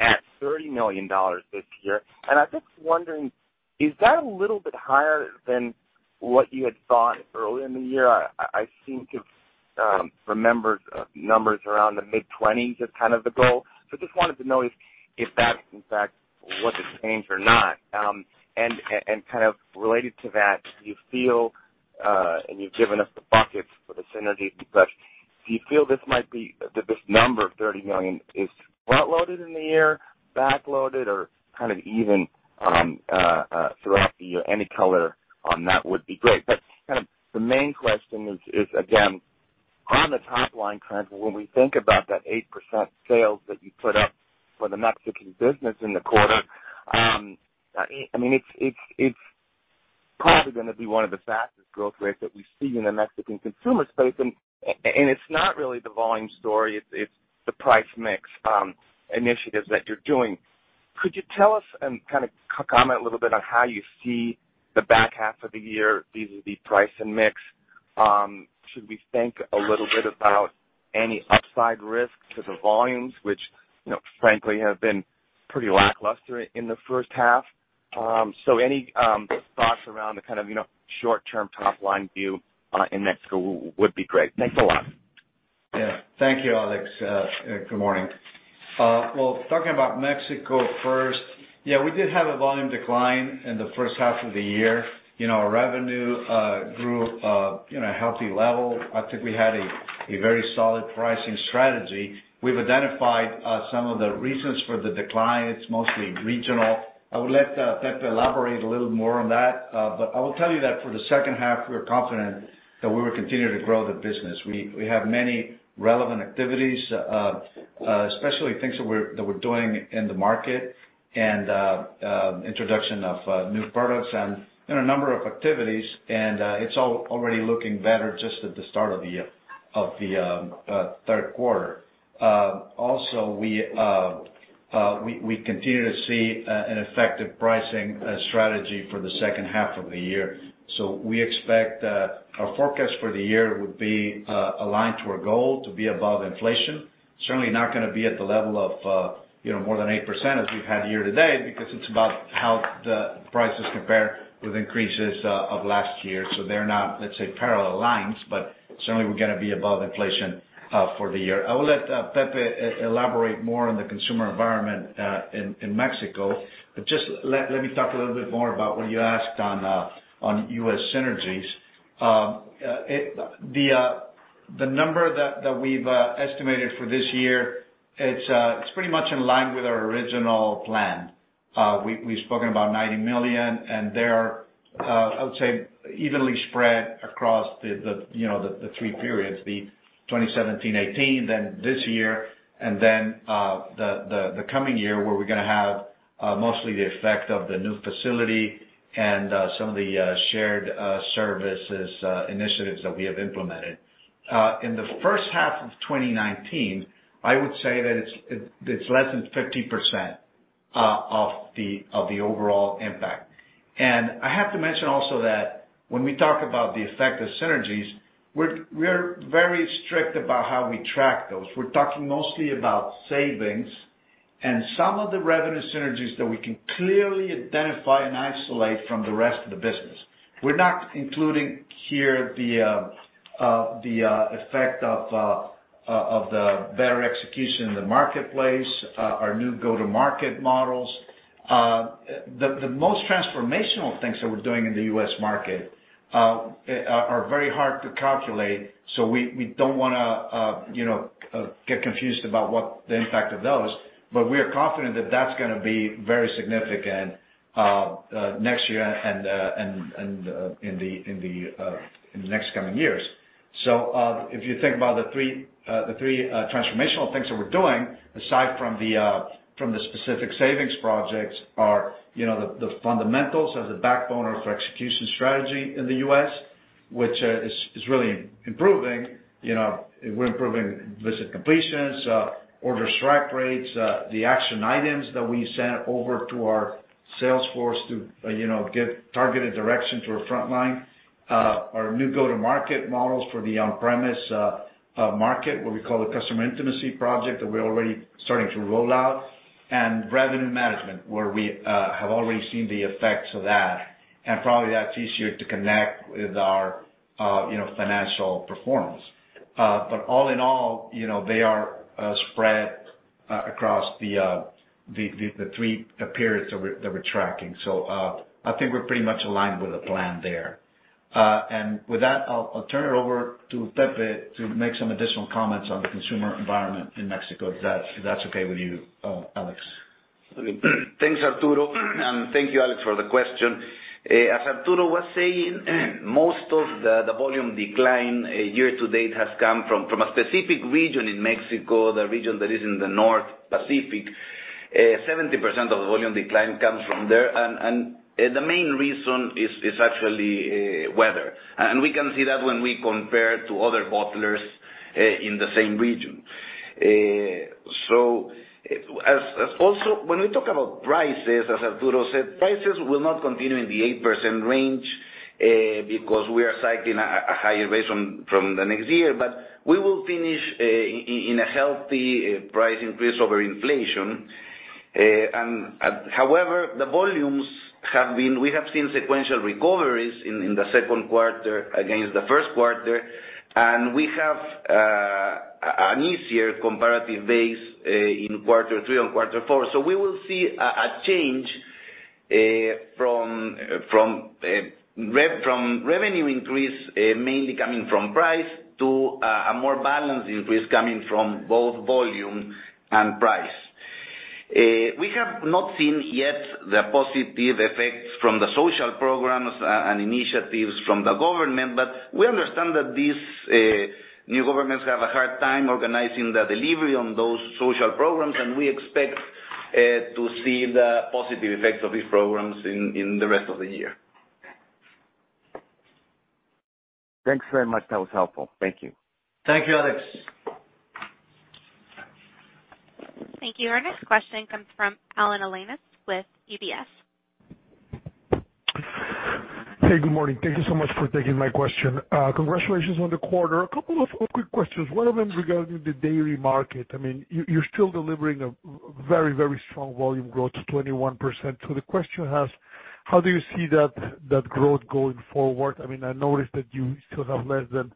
at $30 million this year. I'm just wondering, is that a little bit higher than what you had thought earlier in the year? I seem to remember numbers around the mid-20s as kind of the goal. Just wanted to know if that, in fact, was the change or not. Kind of related to that, and you've given us the buckets for the synergy, but do you feel this number of $30 million is front-loaded in the year, back-loaded, or kind of even throughout the year? Any color on that would be great. Kind of the main question is, again, on the top-line trends, when we think about that 8% sales that you put up for the Mexican business in the quarter, it's probably going to be one of the fastest growth rates that we see in the Mexican consumer space. It's not really the volume story, it's the price mix initiatives that you're doing. Could you tell us and kind of comment a little bit on how you see the back half of the year vis-a-vis price and mix? Should we think a little bit about any upside risks to the volumes, which frankly have been pretty lackluster in the first half? Any thoughts around the kind of short-term top-line view in Mexico would be great. Thanks a lot. Yeah. Thank you, Alex. Good morning. Well, talking about Mexico first, yeah, we did have a volume decline in the first half of the year. Our revenue grew a healthy level. I think we had a very solid pricing strategy. We've identified some of the reasons for the decline. It's mostly regional. I will let Pepe elaborate a little more on that. I will tell you that for the second half, we are confident that we will continue to grow the business. We have many relevant activities, especially things that we're doing in the market and introduction of new products and a number of activities, and it's already looking better just at the start of the third quarter. Also, we continue to see an effective pricing strategy for the second half of the year. We expect our forecast for the year would be aligned to our goal to be above inflation. Certainly not going to be at the level of more than 8% as we've had year-to-date, because it's about how the prices compare with increases of last year. They're not, let's say, parallel lines, but certainly, we're going to be above inflation for the year. I will let Pepe elaborate more on the consumer environment in Mexico, but just let me talk a little bit more about what you asked on U.S. synergies. The number that we've estimated for this year, it's pretty much in line with our original plan. We've spoken about $90 million, and they are, I would say, evenly spread across the three periods, the 2017, 2018, then this year, and then the coming year, where we're going to have mostly the effect of the new facility and some of the shared services initiatives that we have implemented. In the first half of 2019, I would say that it's less than 50% of the overall impact. I have to mention also that when we talk about the effect of synergies, we are very strict about how we track those. We're talking mostly about savings and some of the revenue synergies that we can clearly identify and isolate from the rest of the business. We're not including here the effect of the better execution in the marketplace, our new go-to-market models. The most transformational things that we're doing in the U.S. market are very hard to calculate, so we don't want to get confused about what the impact of those is. We are confident that that's going to be very significant next year and in the next coming years. If you think about the three transformational things that we're doing, aside from the specific savings projects, are the fundamentals as a backbone of our execution strategy in the U.S., which is really improving. We're improving visit completions, orders strike rates, the action items that we sent over to our sales force to give targeted direction to our front line. Our new go-to-market models for the on-premise market, what we call the customer intimacy project, that we're already starting to roll out. Revenue management, where we have already seen the effects of that, and probably that's easier to connect with our financial performance. All in all, they are spread across the three periods that we're tracking. I think we're pretty much aligned with the plan there. With that, I'll turn it over to Pepe to make some additional comments on the consumer environment in Mexico, if that's okay with you, Alex. Thanks, Arturo. Thank you, Alex, for the question. As Arturo was saying, most of the volume decline year-to-date has come from a specific region in Mexico, the region that is in the North Pacific. 70% of the volume decline comes from there. The main reason is actually weather. We can see that when we compare to other bottlers in the same region. Also, when we talk about prices, as Arturo said, prices will not continue in the 8% range, because we are citing a higher rate from the next year. We will finish in a healthy price increase over inflation. However, the volumes, we have seen sequential recoveries in the second quarter against the first quarter, we have an easier comparative base in quarter three and quarter four. We will see a change from revenue increase mainly coming from price to a more balanced increase coming from both volume and price. We have not seen yet the positive effects from the social programs and initiatives from the government, but we understand that these new governments have a hard time organizing the delivery on those social programs, and we expect to see the positive effects of these programs in the rest of the year. Thanks very much. That was helpful. Thank you. Thank you, Alex. Thank you. Our next question comes from Alan Alanis with UBS. Hey, good morning. Thank you so much for taking my question. Congratulations on the quarter. A couple of quick questions. One of them regarding the dairy market. You're still delivering a very strong volume growth, 21%. The question is, how do you see that growth going forward? I noticed that you still have less than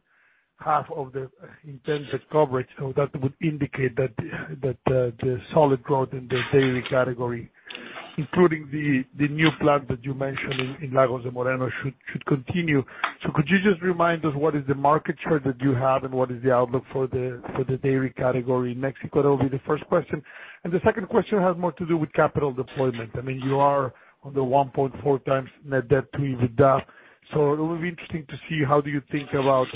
half of the intended coverage, so that would indicate that the solid growth in the dairy category, including the new plant that you mentioned in Lagos de Moreno, should continue. Could you just remind us what is the market share that you have, and what is the outlook for the dairy category in Mexico? That will be the first question. The second question has more to do with capital deployment. You are on the 1.4x net debt to EBITDA. It will be interesting to see how you think about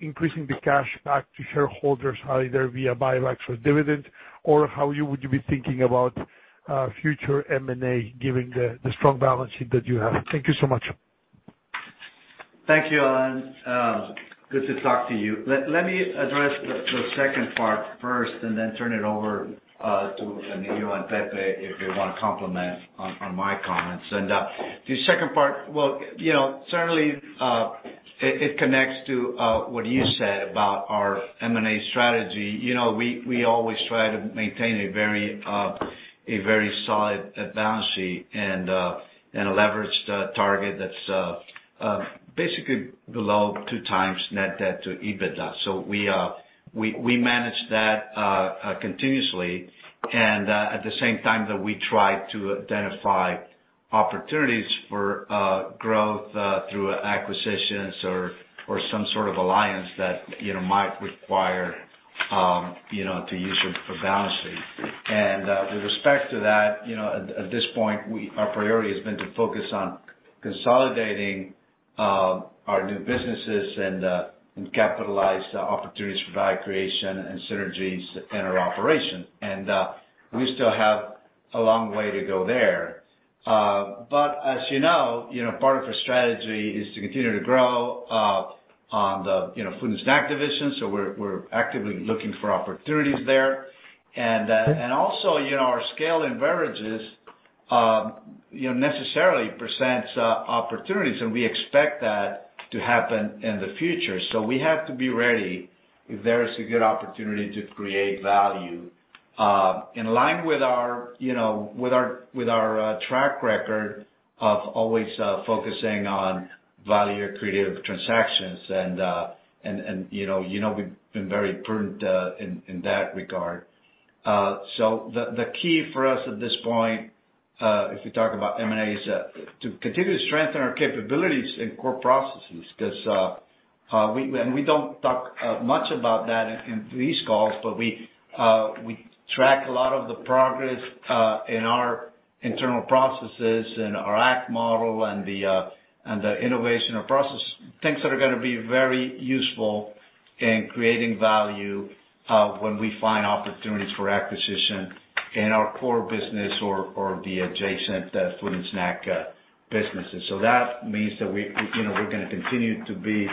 increasing the cash back to shareholders, either via buybacks or dividends, or how you would be thinking about future M&A, given the strong balance sheet that you have. Thank you so much. Thank you, Alan. Good to talk to you. Let me address the second part first and then turn it over to Emilio and Pepe if they want to complement on my comments. The second part, certainly, it connects to what you said about our M&A strategy. We always try to maintain a very solid balance sheet and a leveraged target that's basically below 2x net debt to EBITDA. We manage that continuously and at the same time that we try to identify opportunities for growth through acquisitions or some sort of alliance that might require to use it for balancing. With respect to that, at this point, our priority has been to focus on consolidating our new businesses and capitalize the opportunities for value creation and synergies in our operation. We still have a long way to go there. As you know, part of our strategy is to continue to grow on the food and snack division. We're actively looking for opportunities there. Also, our scale in beverages necessarily presents opportunities, and we expect that to happen in the future. We have to be ready if there is a good opportunity to create value. In line with our track record of always focusing on value-accretive transactions and you know we've been very prudent in that regard. The key for us at this point, if you talk about M&A, is to continue to strengthen our capabilities in core processes. We don't talk much about that in these calls, but we track a lot of the progress in our internal processes and our ACT model and the innovation of process, things that are going to be very useful in creating value when we find opportunities for acquisition in our core business or the adjacent food and snack businesses. That means that we're going to continue to be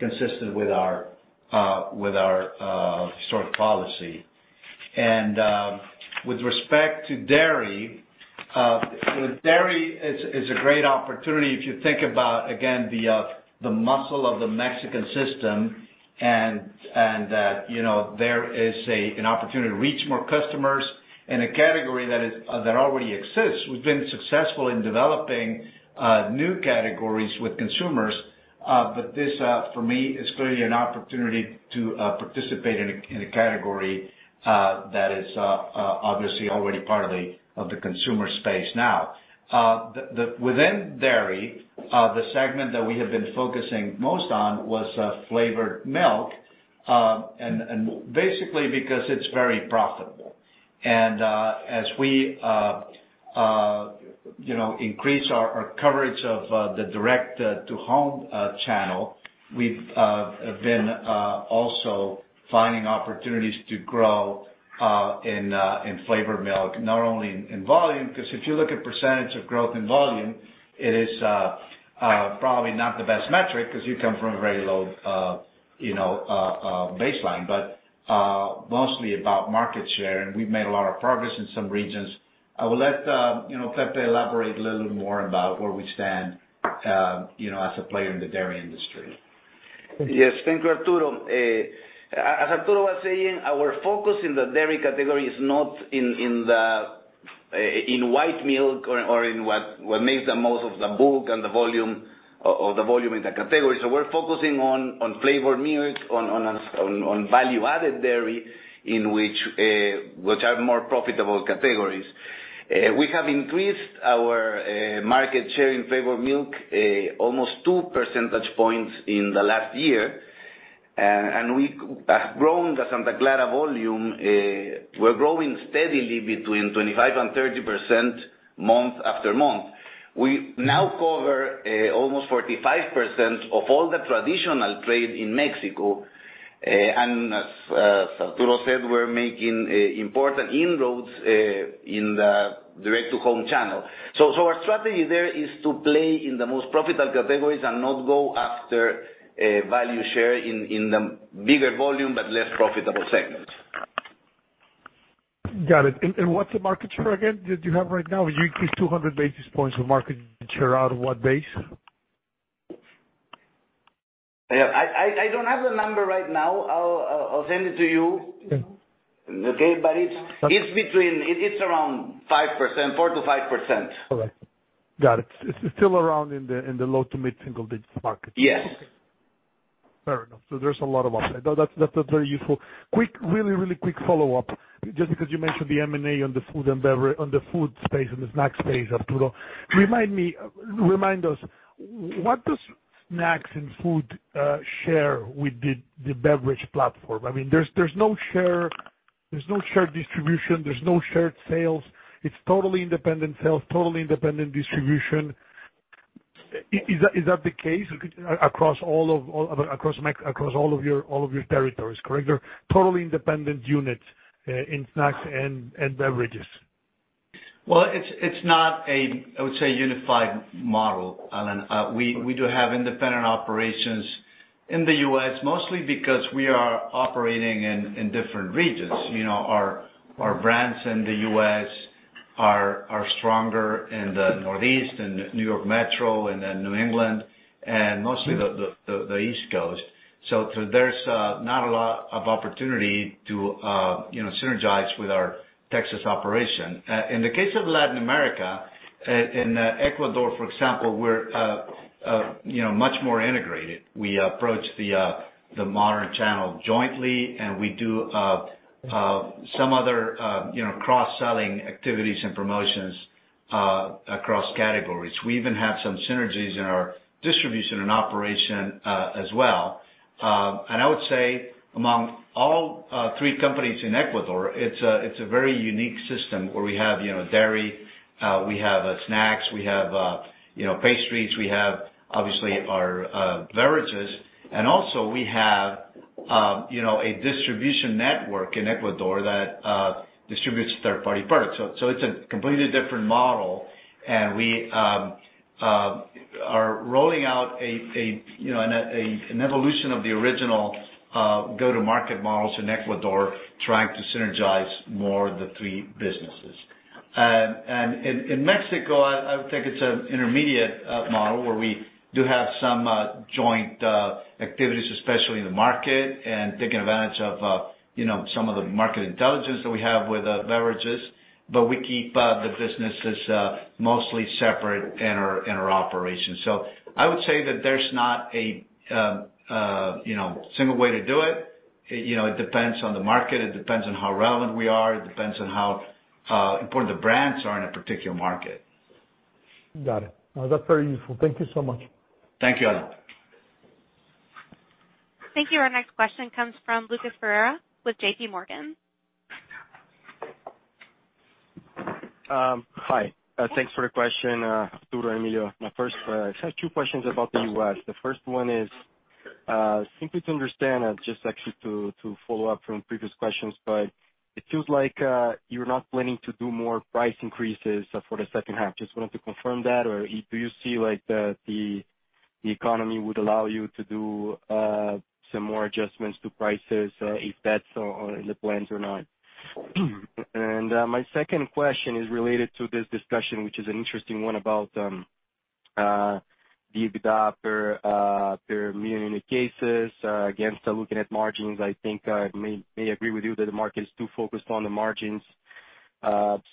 consistent with our historic policy. With respect to dairy, it's a great opportunity if you think about, again, the muscle of the Mexican system and that there is an opportunity to reach more customers in a category that already exists. We've been successful in developing new categories with consumers. This, for me, is clearly an opportunity to participate in a category that is obviously already part of the consumer space now. Within dairy, the segment that we have been focusing most on was flavored milk, basically because it's very profitable. As we increase our coverage of the direct-to-home channel, we've been also finding opportunities to grow in flavored milk, not only in volume, because if you look at percentage of growth in volume, it is probably not the best metric because you come from a very low baseline, but mostly about market share, and we've made a lot of progress in some regions. I will let Pepe elaborate a little more about where we stand as a player in the dairy industry. Yes. Thank you, Arturo. As Arturo was saying, our focus in the dairy category is not in white milk or in what makes the most of the bulk and the volume in the category. We're focusing on flavored milk, on value-added dairy, which are more profitable categories. We have increased our market share in flavored milk almost 2 percentage points in the last year. We have grown the Santa Clara volume. We're growing steadily between 25%-30% month after month. We now cover almost 45% of all the traditional trade in Mexico, and as Arturo said, we're making important inroads in the direct-to-home channel. Our strategy there is to play in the most profitable categories and not go after value share in the bigger volume but less profitable segments. Got it. What's the market share again that you have right now? You increased 200 basis points of market share out of what base? I don't have the number right now. I'll send it to you. Okay. Okay? It's around 4%-5%. Okay. Got it. It's still around in the low to mid-single-digits market. Yes. Fair enough. There's a lot of upside. That's very useful. Really quick follow-up, just because you mentioned the M&A on the food space and the snack space, Arturo. Remind us, what does snacks and food share with the beverage platform? There's no shared distribution, there's no shared sales. It's totally independent sales, totally independent distribution. Is that the case across all of your territories, correct? They're totally independent units in snacks and beverages. Well, it's not a, I would say, unified model, Alan. We do have independent operations in the U.S., mostly because we are operating in different regions. Our brands in the U.S. are stronger in the Northeast and New York Metro and then New England and mostly the East Coast. There's not a lot of opportunity to synergize with our Texas operation. In the case of Latin America, in Ecuador, for example, we're much more integrated. We approach the modern channel jointly, and we do some other cross-selling activities and promotions across categories. We even have some synergies in our distribution and operation as well. I would say among all three companies in Ecuador, it's a very unique system where we have dairy, we have snacks, we have pastries, we have, obviously, our beverages. Also we have a distribution network in Ecuador that distributes third-party products. It's a completely different model, and we are rolling out an evolution of the original go-to-market models in Ecuador, trying to synergize more the three businesses. In Mexico, I would think it's an intermediate model, where we do have some joint activities, especially in the market, and taking advantage of some of the market intelligence that we have with beverages. We keep the businesses mostly separate in our operations. I would say that there's not a single way to do it. It depends on the market. It depends on how relevant we are. It depends on how important the brands are in a particular market. Got it. No, that's very useful. Thank you so much. Thank you, Alan. Thank you. Our next question comes from Lucas Ferreira with JPMorgan. Hi. Thanks for the question, Arturo and Emilio. I just have two questions about the U.S. The first one is simply to understand and just actually to follow up from previous questions, it seems like you're not planning to do more price increases for the second half. Just wanted to confirm that. Do you see the economy would allow you to do some more adjustments to prices, if that's in the plans or not? My second question is related to this discussion, which is an interesting one about the EBITDA per million cases against looking at margins. I think I may agree with you that the market is too focused on the margins.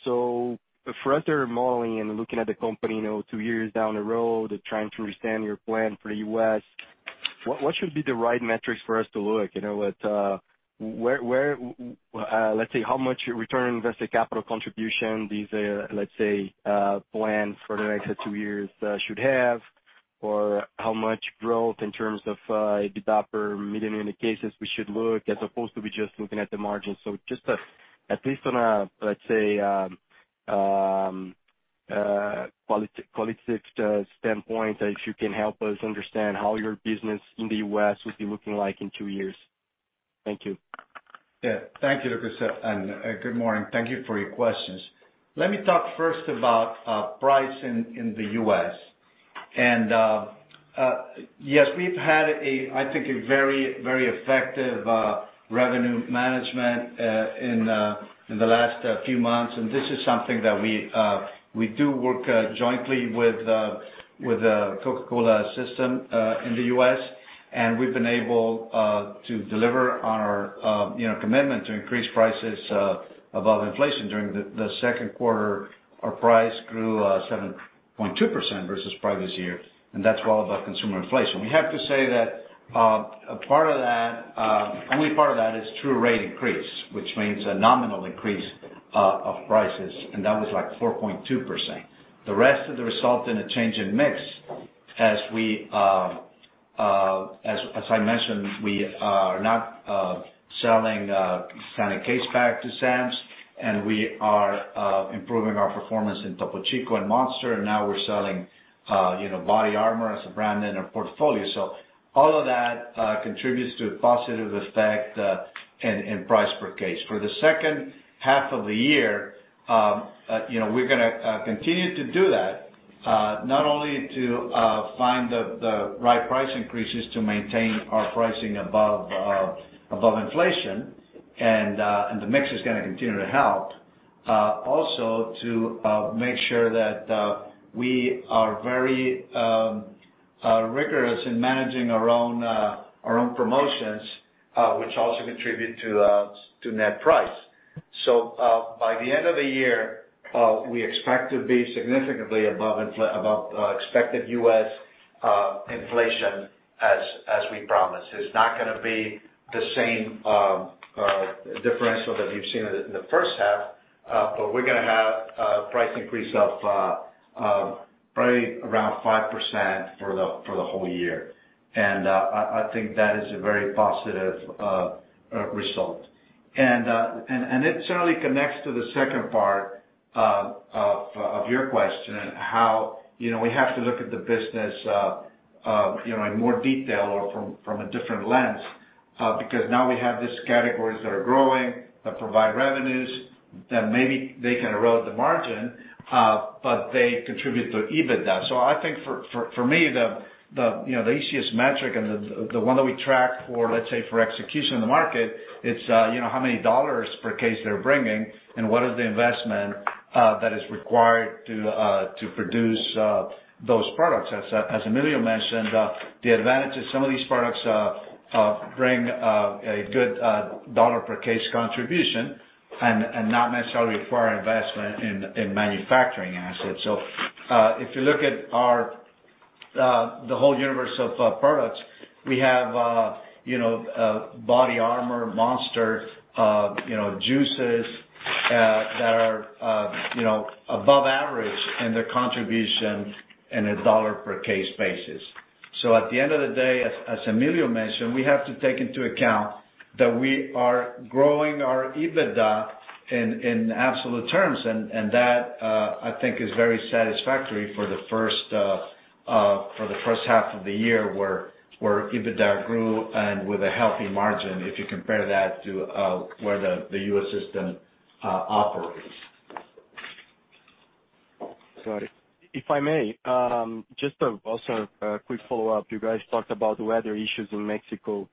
For further modeling and looking at the company two years down the road and trying to understand your plan for the U.S., what should be the right metrics for us to look? Let's say, how much return on invested capital contribution these, let's say, plans for the next two years should have, or how much growth in terms of EBITDA per million cases we should look, as opposed to we just looking at the margins. Just at least on a qualitative standpoint, if you can help us understand how your business in the U.S. would be looking like in two years. Thank you. Yeah. Thank you, Lucas, and good morning. Thank you for your questions. Let me talk first about price in the U.S. Yes, we've had, I think, a very effective revenue management in the last few months. This is something that we do work jointly with Coca-Cola system in the U.S., and we've been able to deliver on our commitment to increase prices above inflation. During the second quarter, our price grew 7.2% versus price this year, and that's well above consumer inflation. We have to say that only part of that is true rate increase, which means a nominal increase of prices, and that was like 4.2%. The rest of the result in a change in mix. As I mentioned, we are not selling Fanta case pack to Sam's. We are improving our performance in Topo Chico and Monster. Now we're selling BODYARMOR as a brand in our portfolio. All of that contributes to a positive effect in price per case. For the second half of the year, we're going to continue to do that, not only to find the right price increases to maintain our pricing above inflation. The mix is going to continue to help. To make sure that we are very rigorous in managing our own promotions, which also contribute to net price. By the end of the year, we expect to be significantly above expected U.S. inflation as we promised. It's not going to be the same differential that you've seen in the first half, but we're going to have a price increase of probably around 5% for the whole year. I think that is a very positive result. It certainly connects to the second part of your question, how we have to look at the business in more detail or from a different lens. Now we have these categories that are growing, that provide revenues, that maybe they can erode the margin, but they contribute to EBITDA. I think for me, the easiest metric and the one that we track for, let's say, for execution in the market, it's how many dollars per case they're bringing and what is the investment that is required to produce those products. As Emilio mentioned, the advantage is some of these products bring a good dollar per case contribution and not necessarily require investment in manufacturing assets. If you look at our whole universe of products, we have BODYARMOR, Monster juices that are above average in their contribution in a dollar per case basis. At the end of the day, as Emilio mentioned, we have to take into account that we are growing our EBITDA in absolute terms. That, I think is very satisfactory for the first half of the year where EBITDA grew and with a healthy margin, if you compare that to where the U.S. system operates. Sorry. If I may, just also a quick follow-up. You guys talked about weather issues in Mexico.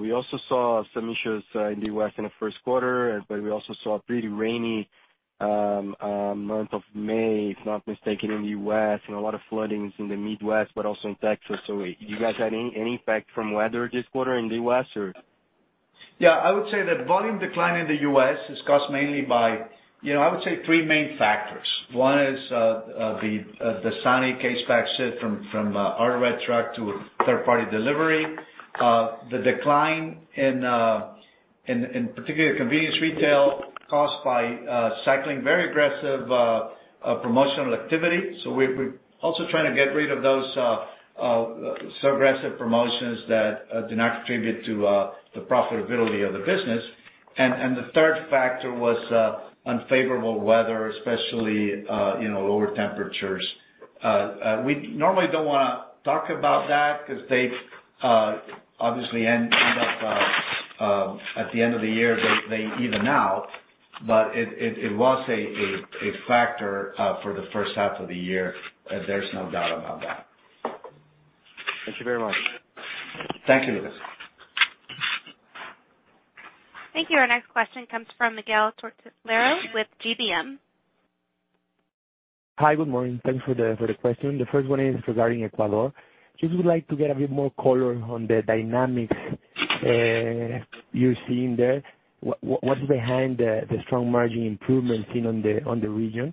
We also saw some issues in the U.S. in the first quarter, but we also saw a pretty rainy month of May, if I'm not mistaken, in the U.S., and a lot of floodings in the Midwest, but also in Texas. Did you guys have any impact from weather this quarter in the U.S., or? Yeah, I would say that volume decline in the U.S. is caused mainly by, I would say three main factors. One is the DASANI case pack shift from our red truck to third-party delivery. The decline in particular convenience retail caused by cycling very aggressive promotional activity. We're also trying to get rid of those aggressive promotions that do not contribute to the profitability of the business. The third factor was unfavorable weather, especially, lower temperatures. We normally don't want to talk about that because they obviously end up at the end of the year, they even out. It was a factor for the first half of the year, there's no doubt about that. Thank you very much. Thank you, Lucas. Thank you. Our next question comes from Miguel Tortolero with GBM. Hi, good morning. Thanks for the question. The first one is regarding Ecuador. Just would like to get a bit more color on the dynamics, you're seeing there. What's behind the strong margin improvements seen on the region,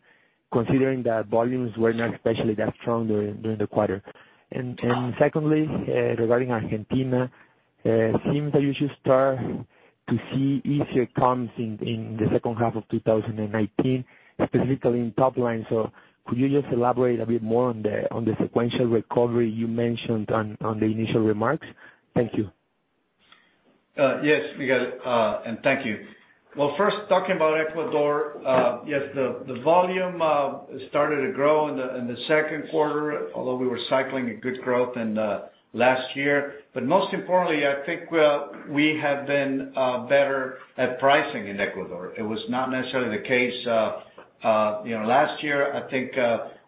considering that volumes were not especially that strong during the quarter? Secondly, regarding Argentina, seems that you should start to see easier comms in the second half of 2019, specifically in top line. Could you just elaborate a bit more on the sequential recovery you mentioned on the initial remarks? Thank you. Yes, Miguel. Thank you. First talking about Ecuador, yes, the volume started to grow in the second quarter, although we were cycling a good growth in last year. Most importantly, I think we have been better at pricing in Ecuador. It was not necessarily the case last year. I think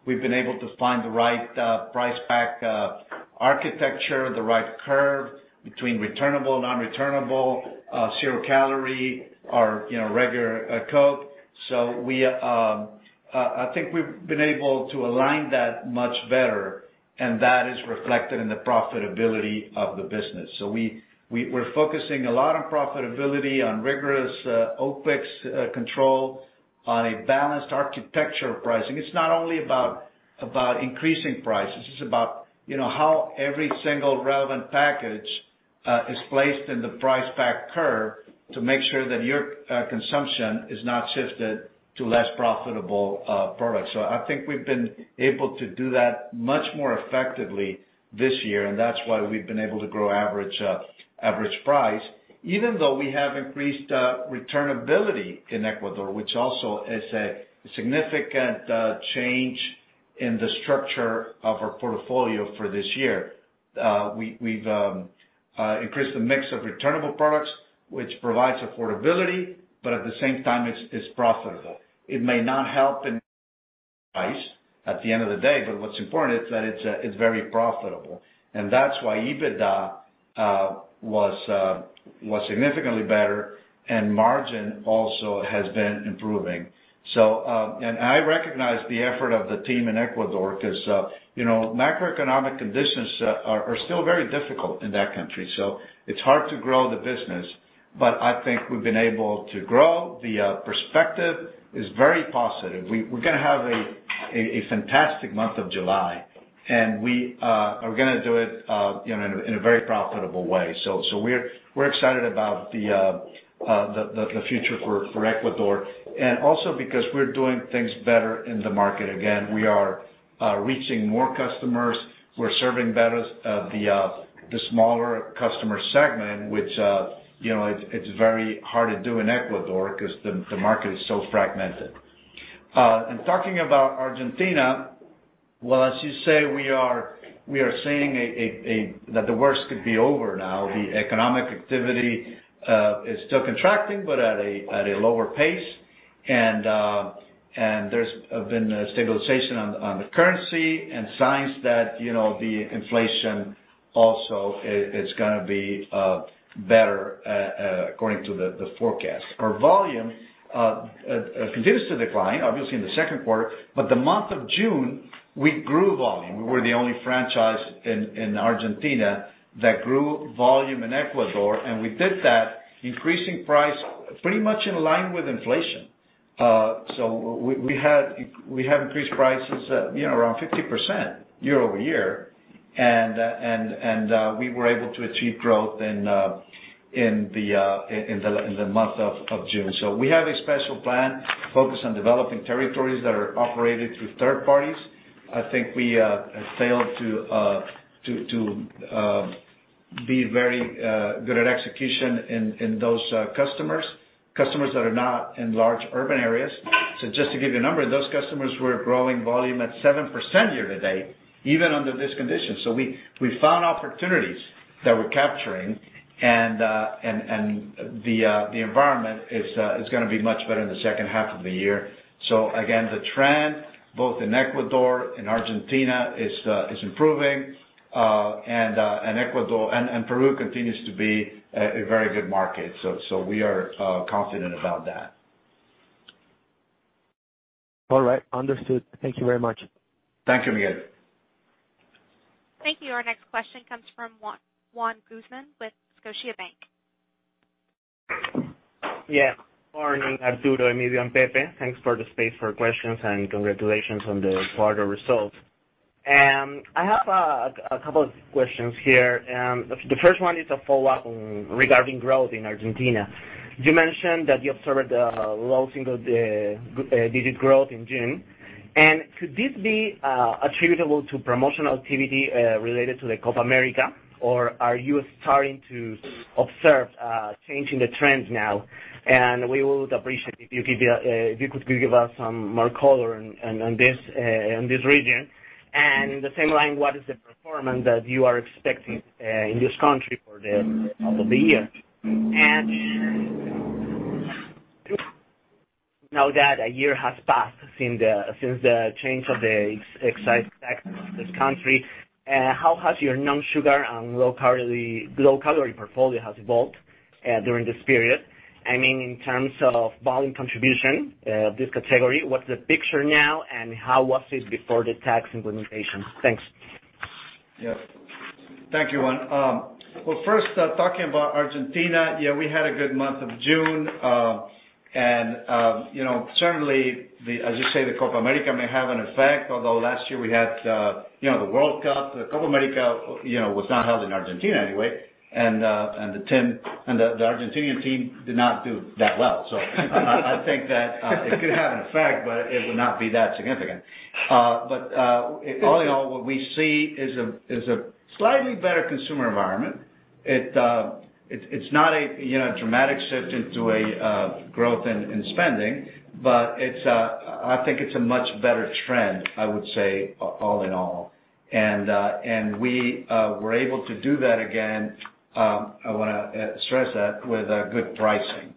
we've been able to find the right price pack architecture, the right curve between returnable and non-returnable, zero-calorie or regular Coke. I think we've been able to align that much better, and that is reflected in the profitability of the business. We're focusing a lot on profitability, on rigorous OpEx control, on a balanced architecture pricing. It's not only about increasing prices, it's about how every single relevant package is placed in the price pack curve to make sure that your consumption is not shifted to less profitable products. I think we've been able to do that much more effectively this year, and that's why we've been able to grow average price, even though we have increased returnability in Ecuador, which also is a significant change in the structure of our portfolio for this year. We've increased the mix of returnable products, which provides affordability, but at the same time, it's profitable. It may not help in price at the end of the day, but what's important is that it's very profitable. That's why EBITDA was significantly better and margin also has been improving. I recognize the effort of the team in Ecuador because macroeconomic conditions are still very difficult in that country. It's hard to grow the business, but I think we've been able to grow. The perspective is very positive. We're going to have a fantastic month of July. We are going to do it in a very profitable way. We're excited about the future for Ecuador. Also because we're doing things better in the market again. We are reaching more customers. We're serving better the smaller customer segment, which it's very hard to do in Ecuador because the market is so fragmented. Talking about Argentina, well, as you say, we are seeing that the worst could be over now. The economic activity is still contracting, but at a lower pace. There's been a stabilization on the currency and signs that the inflation also is going to be better, according to the forecast. Our volume continues to decline, obviously in the second quarter, but the month of June, we grew volume. We were the only franchise in Argentina that grew volume in Ecuador, and we did that increasing price pretty much in line with inflation. We have increased prices around 50% year-over-year, and we were able to achieve growth in the month of June. We have a special plan focused on developing territories that are operated through third parties. I think we have failed to be very good at execution in those customers that are not in large urban areas. Just to give you a number, those customers were growing volume at 7% year-to-date, even under this condition. We found opportunities that we're capturing, and the environment is going to be much better in the second half of the year. Again, the trend, both in Ecuador, in Argentina, is improving, and Peru continues to be a very good market. We are confident about that. All right. Understood. Thank you very much. Thank you, Miguel. Thank you. Our next question comes from Juan Guzman with Scotiabank. Yeah. Morning, Arturo, Emilio, and Pepe. Thanks for the space for questions, and congratulations on the quarter results. I have a couple of questions here. The first one is a follow-up regarding growth in Argentina. You mentioned that you observed a low single-digit growth in June. Could this be attributable to promotional activity related to the Copa América, or are you starting to observe a change in the trends now? We would appreciate if you could give us some more color on this region. In the same line, what is the performance that you are expecting in this country for the rest of the year? Now that a year has passed since the change of the excise tax in this country, how your non-sugar and low-calorie portfolio has evolved during this period? In terms of volume contribution of this category, what's the picture now, and how was it before the tax implementation? Thanks. Yes. Thank you, Juan. Well, first, talking about Argentina, yeah, we had a good month of June. Certainly, as you say, the Copa América may have an effect, although last year we had the World Cup. The Copa América was not held in Argentina anyway, the Argentinian team did not do that well. I think that it could have an effect, it would not be that significant. All in all, what we see is a slightly better consumer environment. It's not a dramatic shift into a growth in spending, I think it's a much better trend, I would say, all in all. We were able to do that, again, I want to stress that, with good pricing.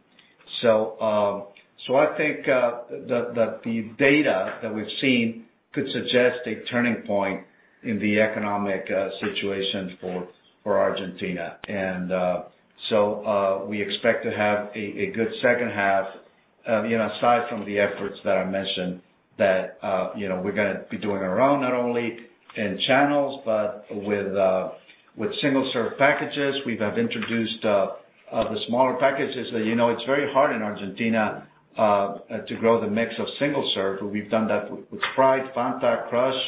I think that the data that we've seen could suggest a turning point in the economic situation for Argentina. We expect to have a good second half, aside from the efforts that I mentioned, that we're going to be doing our own, not only in channels, but with single-serve packages. We have introduced the smaller packages. It's very hard in Argentina to grow the mix of single-serve, but we've done that with Sprite, Fanta, Crush,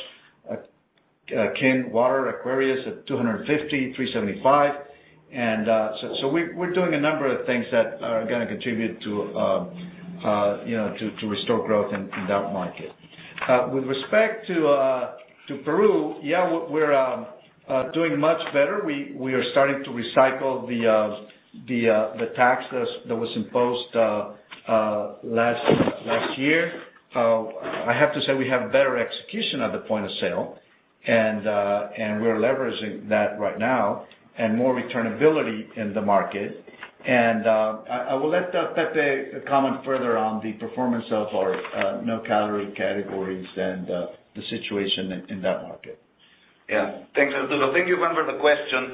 Kin Water, Aquarius at 250, 375. We're doing a number of things that are going to contribute to restore growth in that market. With respect to Peru, yeah, we're doing much better. We are starting to recycle the tax that was imposed last year. I have to say, we have better execution at the point of sale, and we are leveraging that right now, and more returnability in the market. I will let Pepe comment further on the performance of our no-calorie categories and the situation in that market. Yeah. Thanks, Arturo. Thank you, Juan, for the question.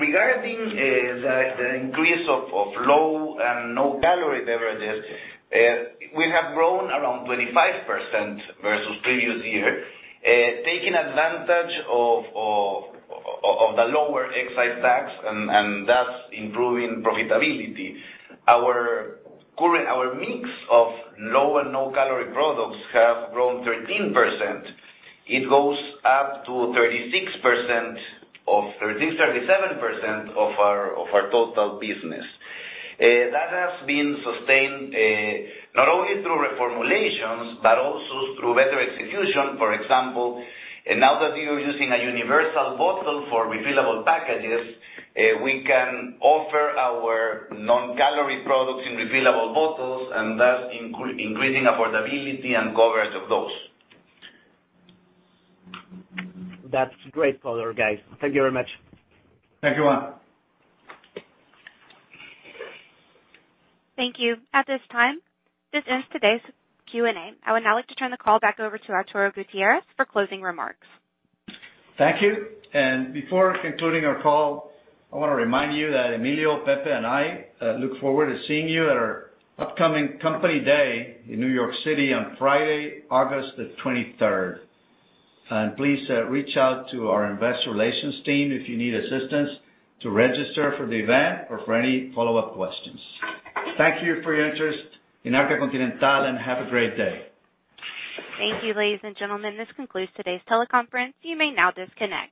Regarding the increase of low and no-calorie beverages, we have grown around 25% versus previous year, taking advantage of the lower excise tax and thus improving profitability. Our mix of low and no-calorie products have grown 13%. It goes up to 37% of our total business. That has been sustained not only through reformulations but also through better execution. For example, now that we are using a universal bottle for refillable packages, we can offer our non-calorie products in refillable bottles, and thus increasing affordability and coverage of those. That's great color, guys. Thank you very much. Thank you, Juan. Thank you. At this time, this ends today's Q&A. I would now like to turn the call back over to Arturo Gutiérrez for closing remarks. Thank you. Before concluding our call, I want to remind you that Emilio, Pepe, and I look forward to seeing you at our upcoming Company Day in New York City on Friday, August the 23rd. Please reach out to our investor relations team if you need assistance to register for the event or for any follow-up questions. Thank you for your interest in Arca Continental, and have a great day. Thank you, ladies and gentlemen. This concludes today's teleconference. You may now disconnect.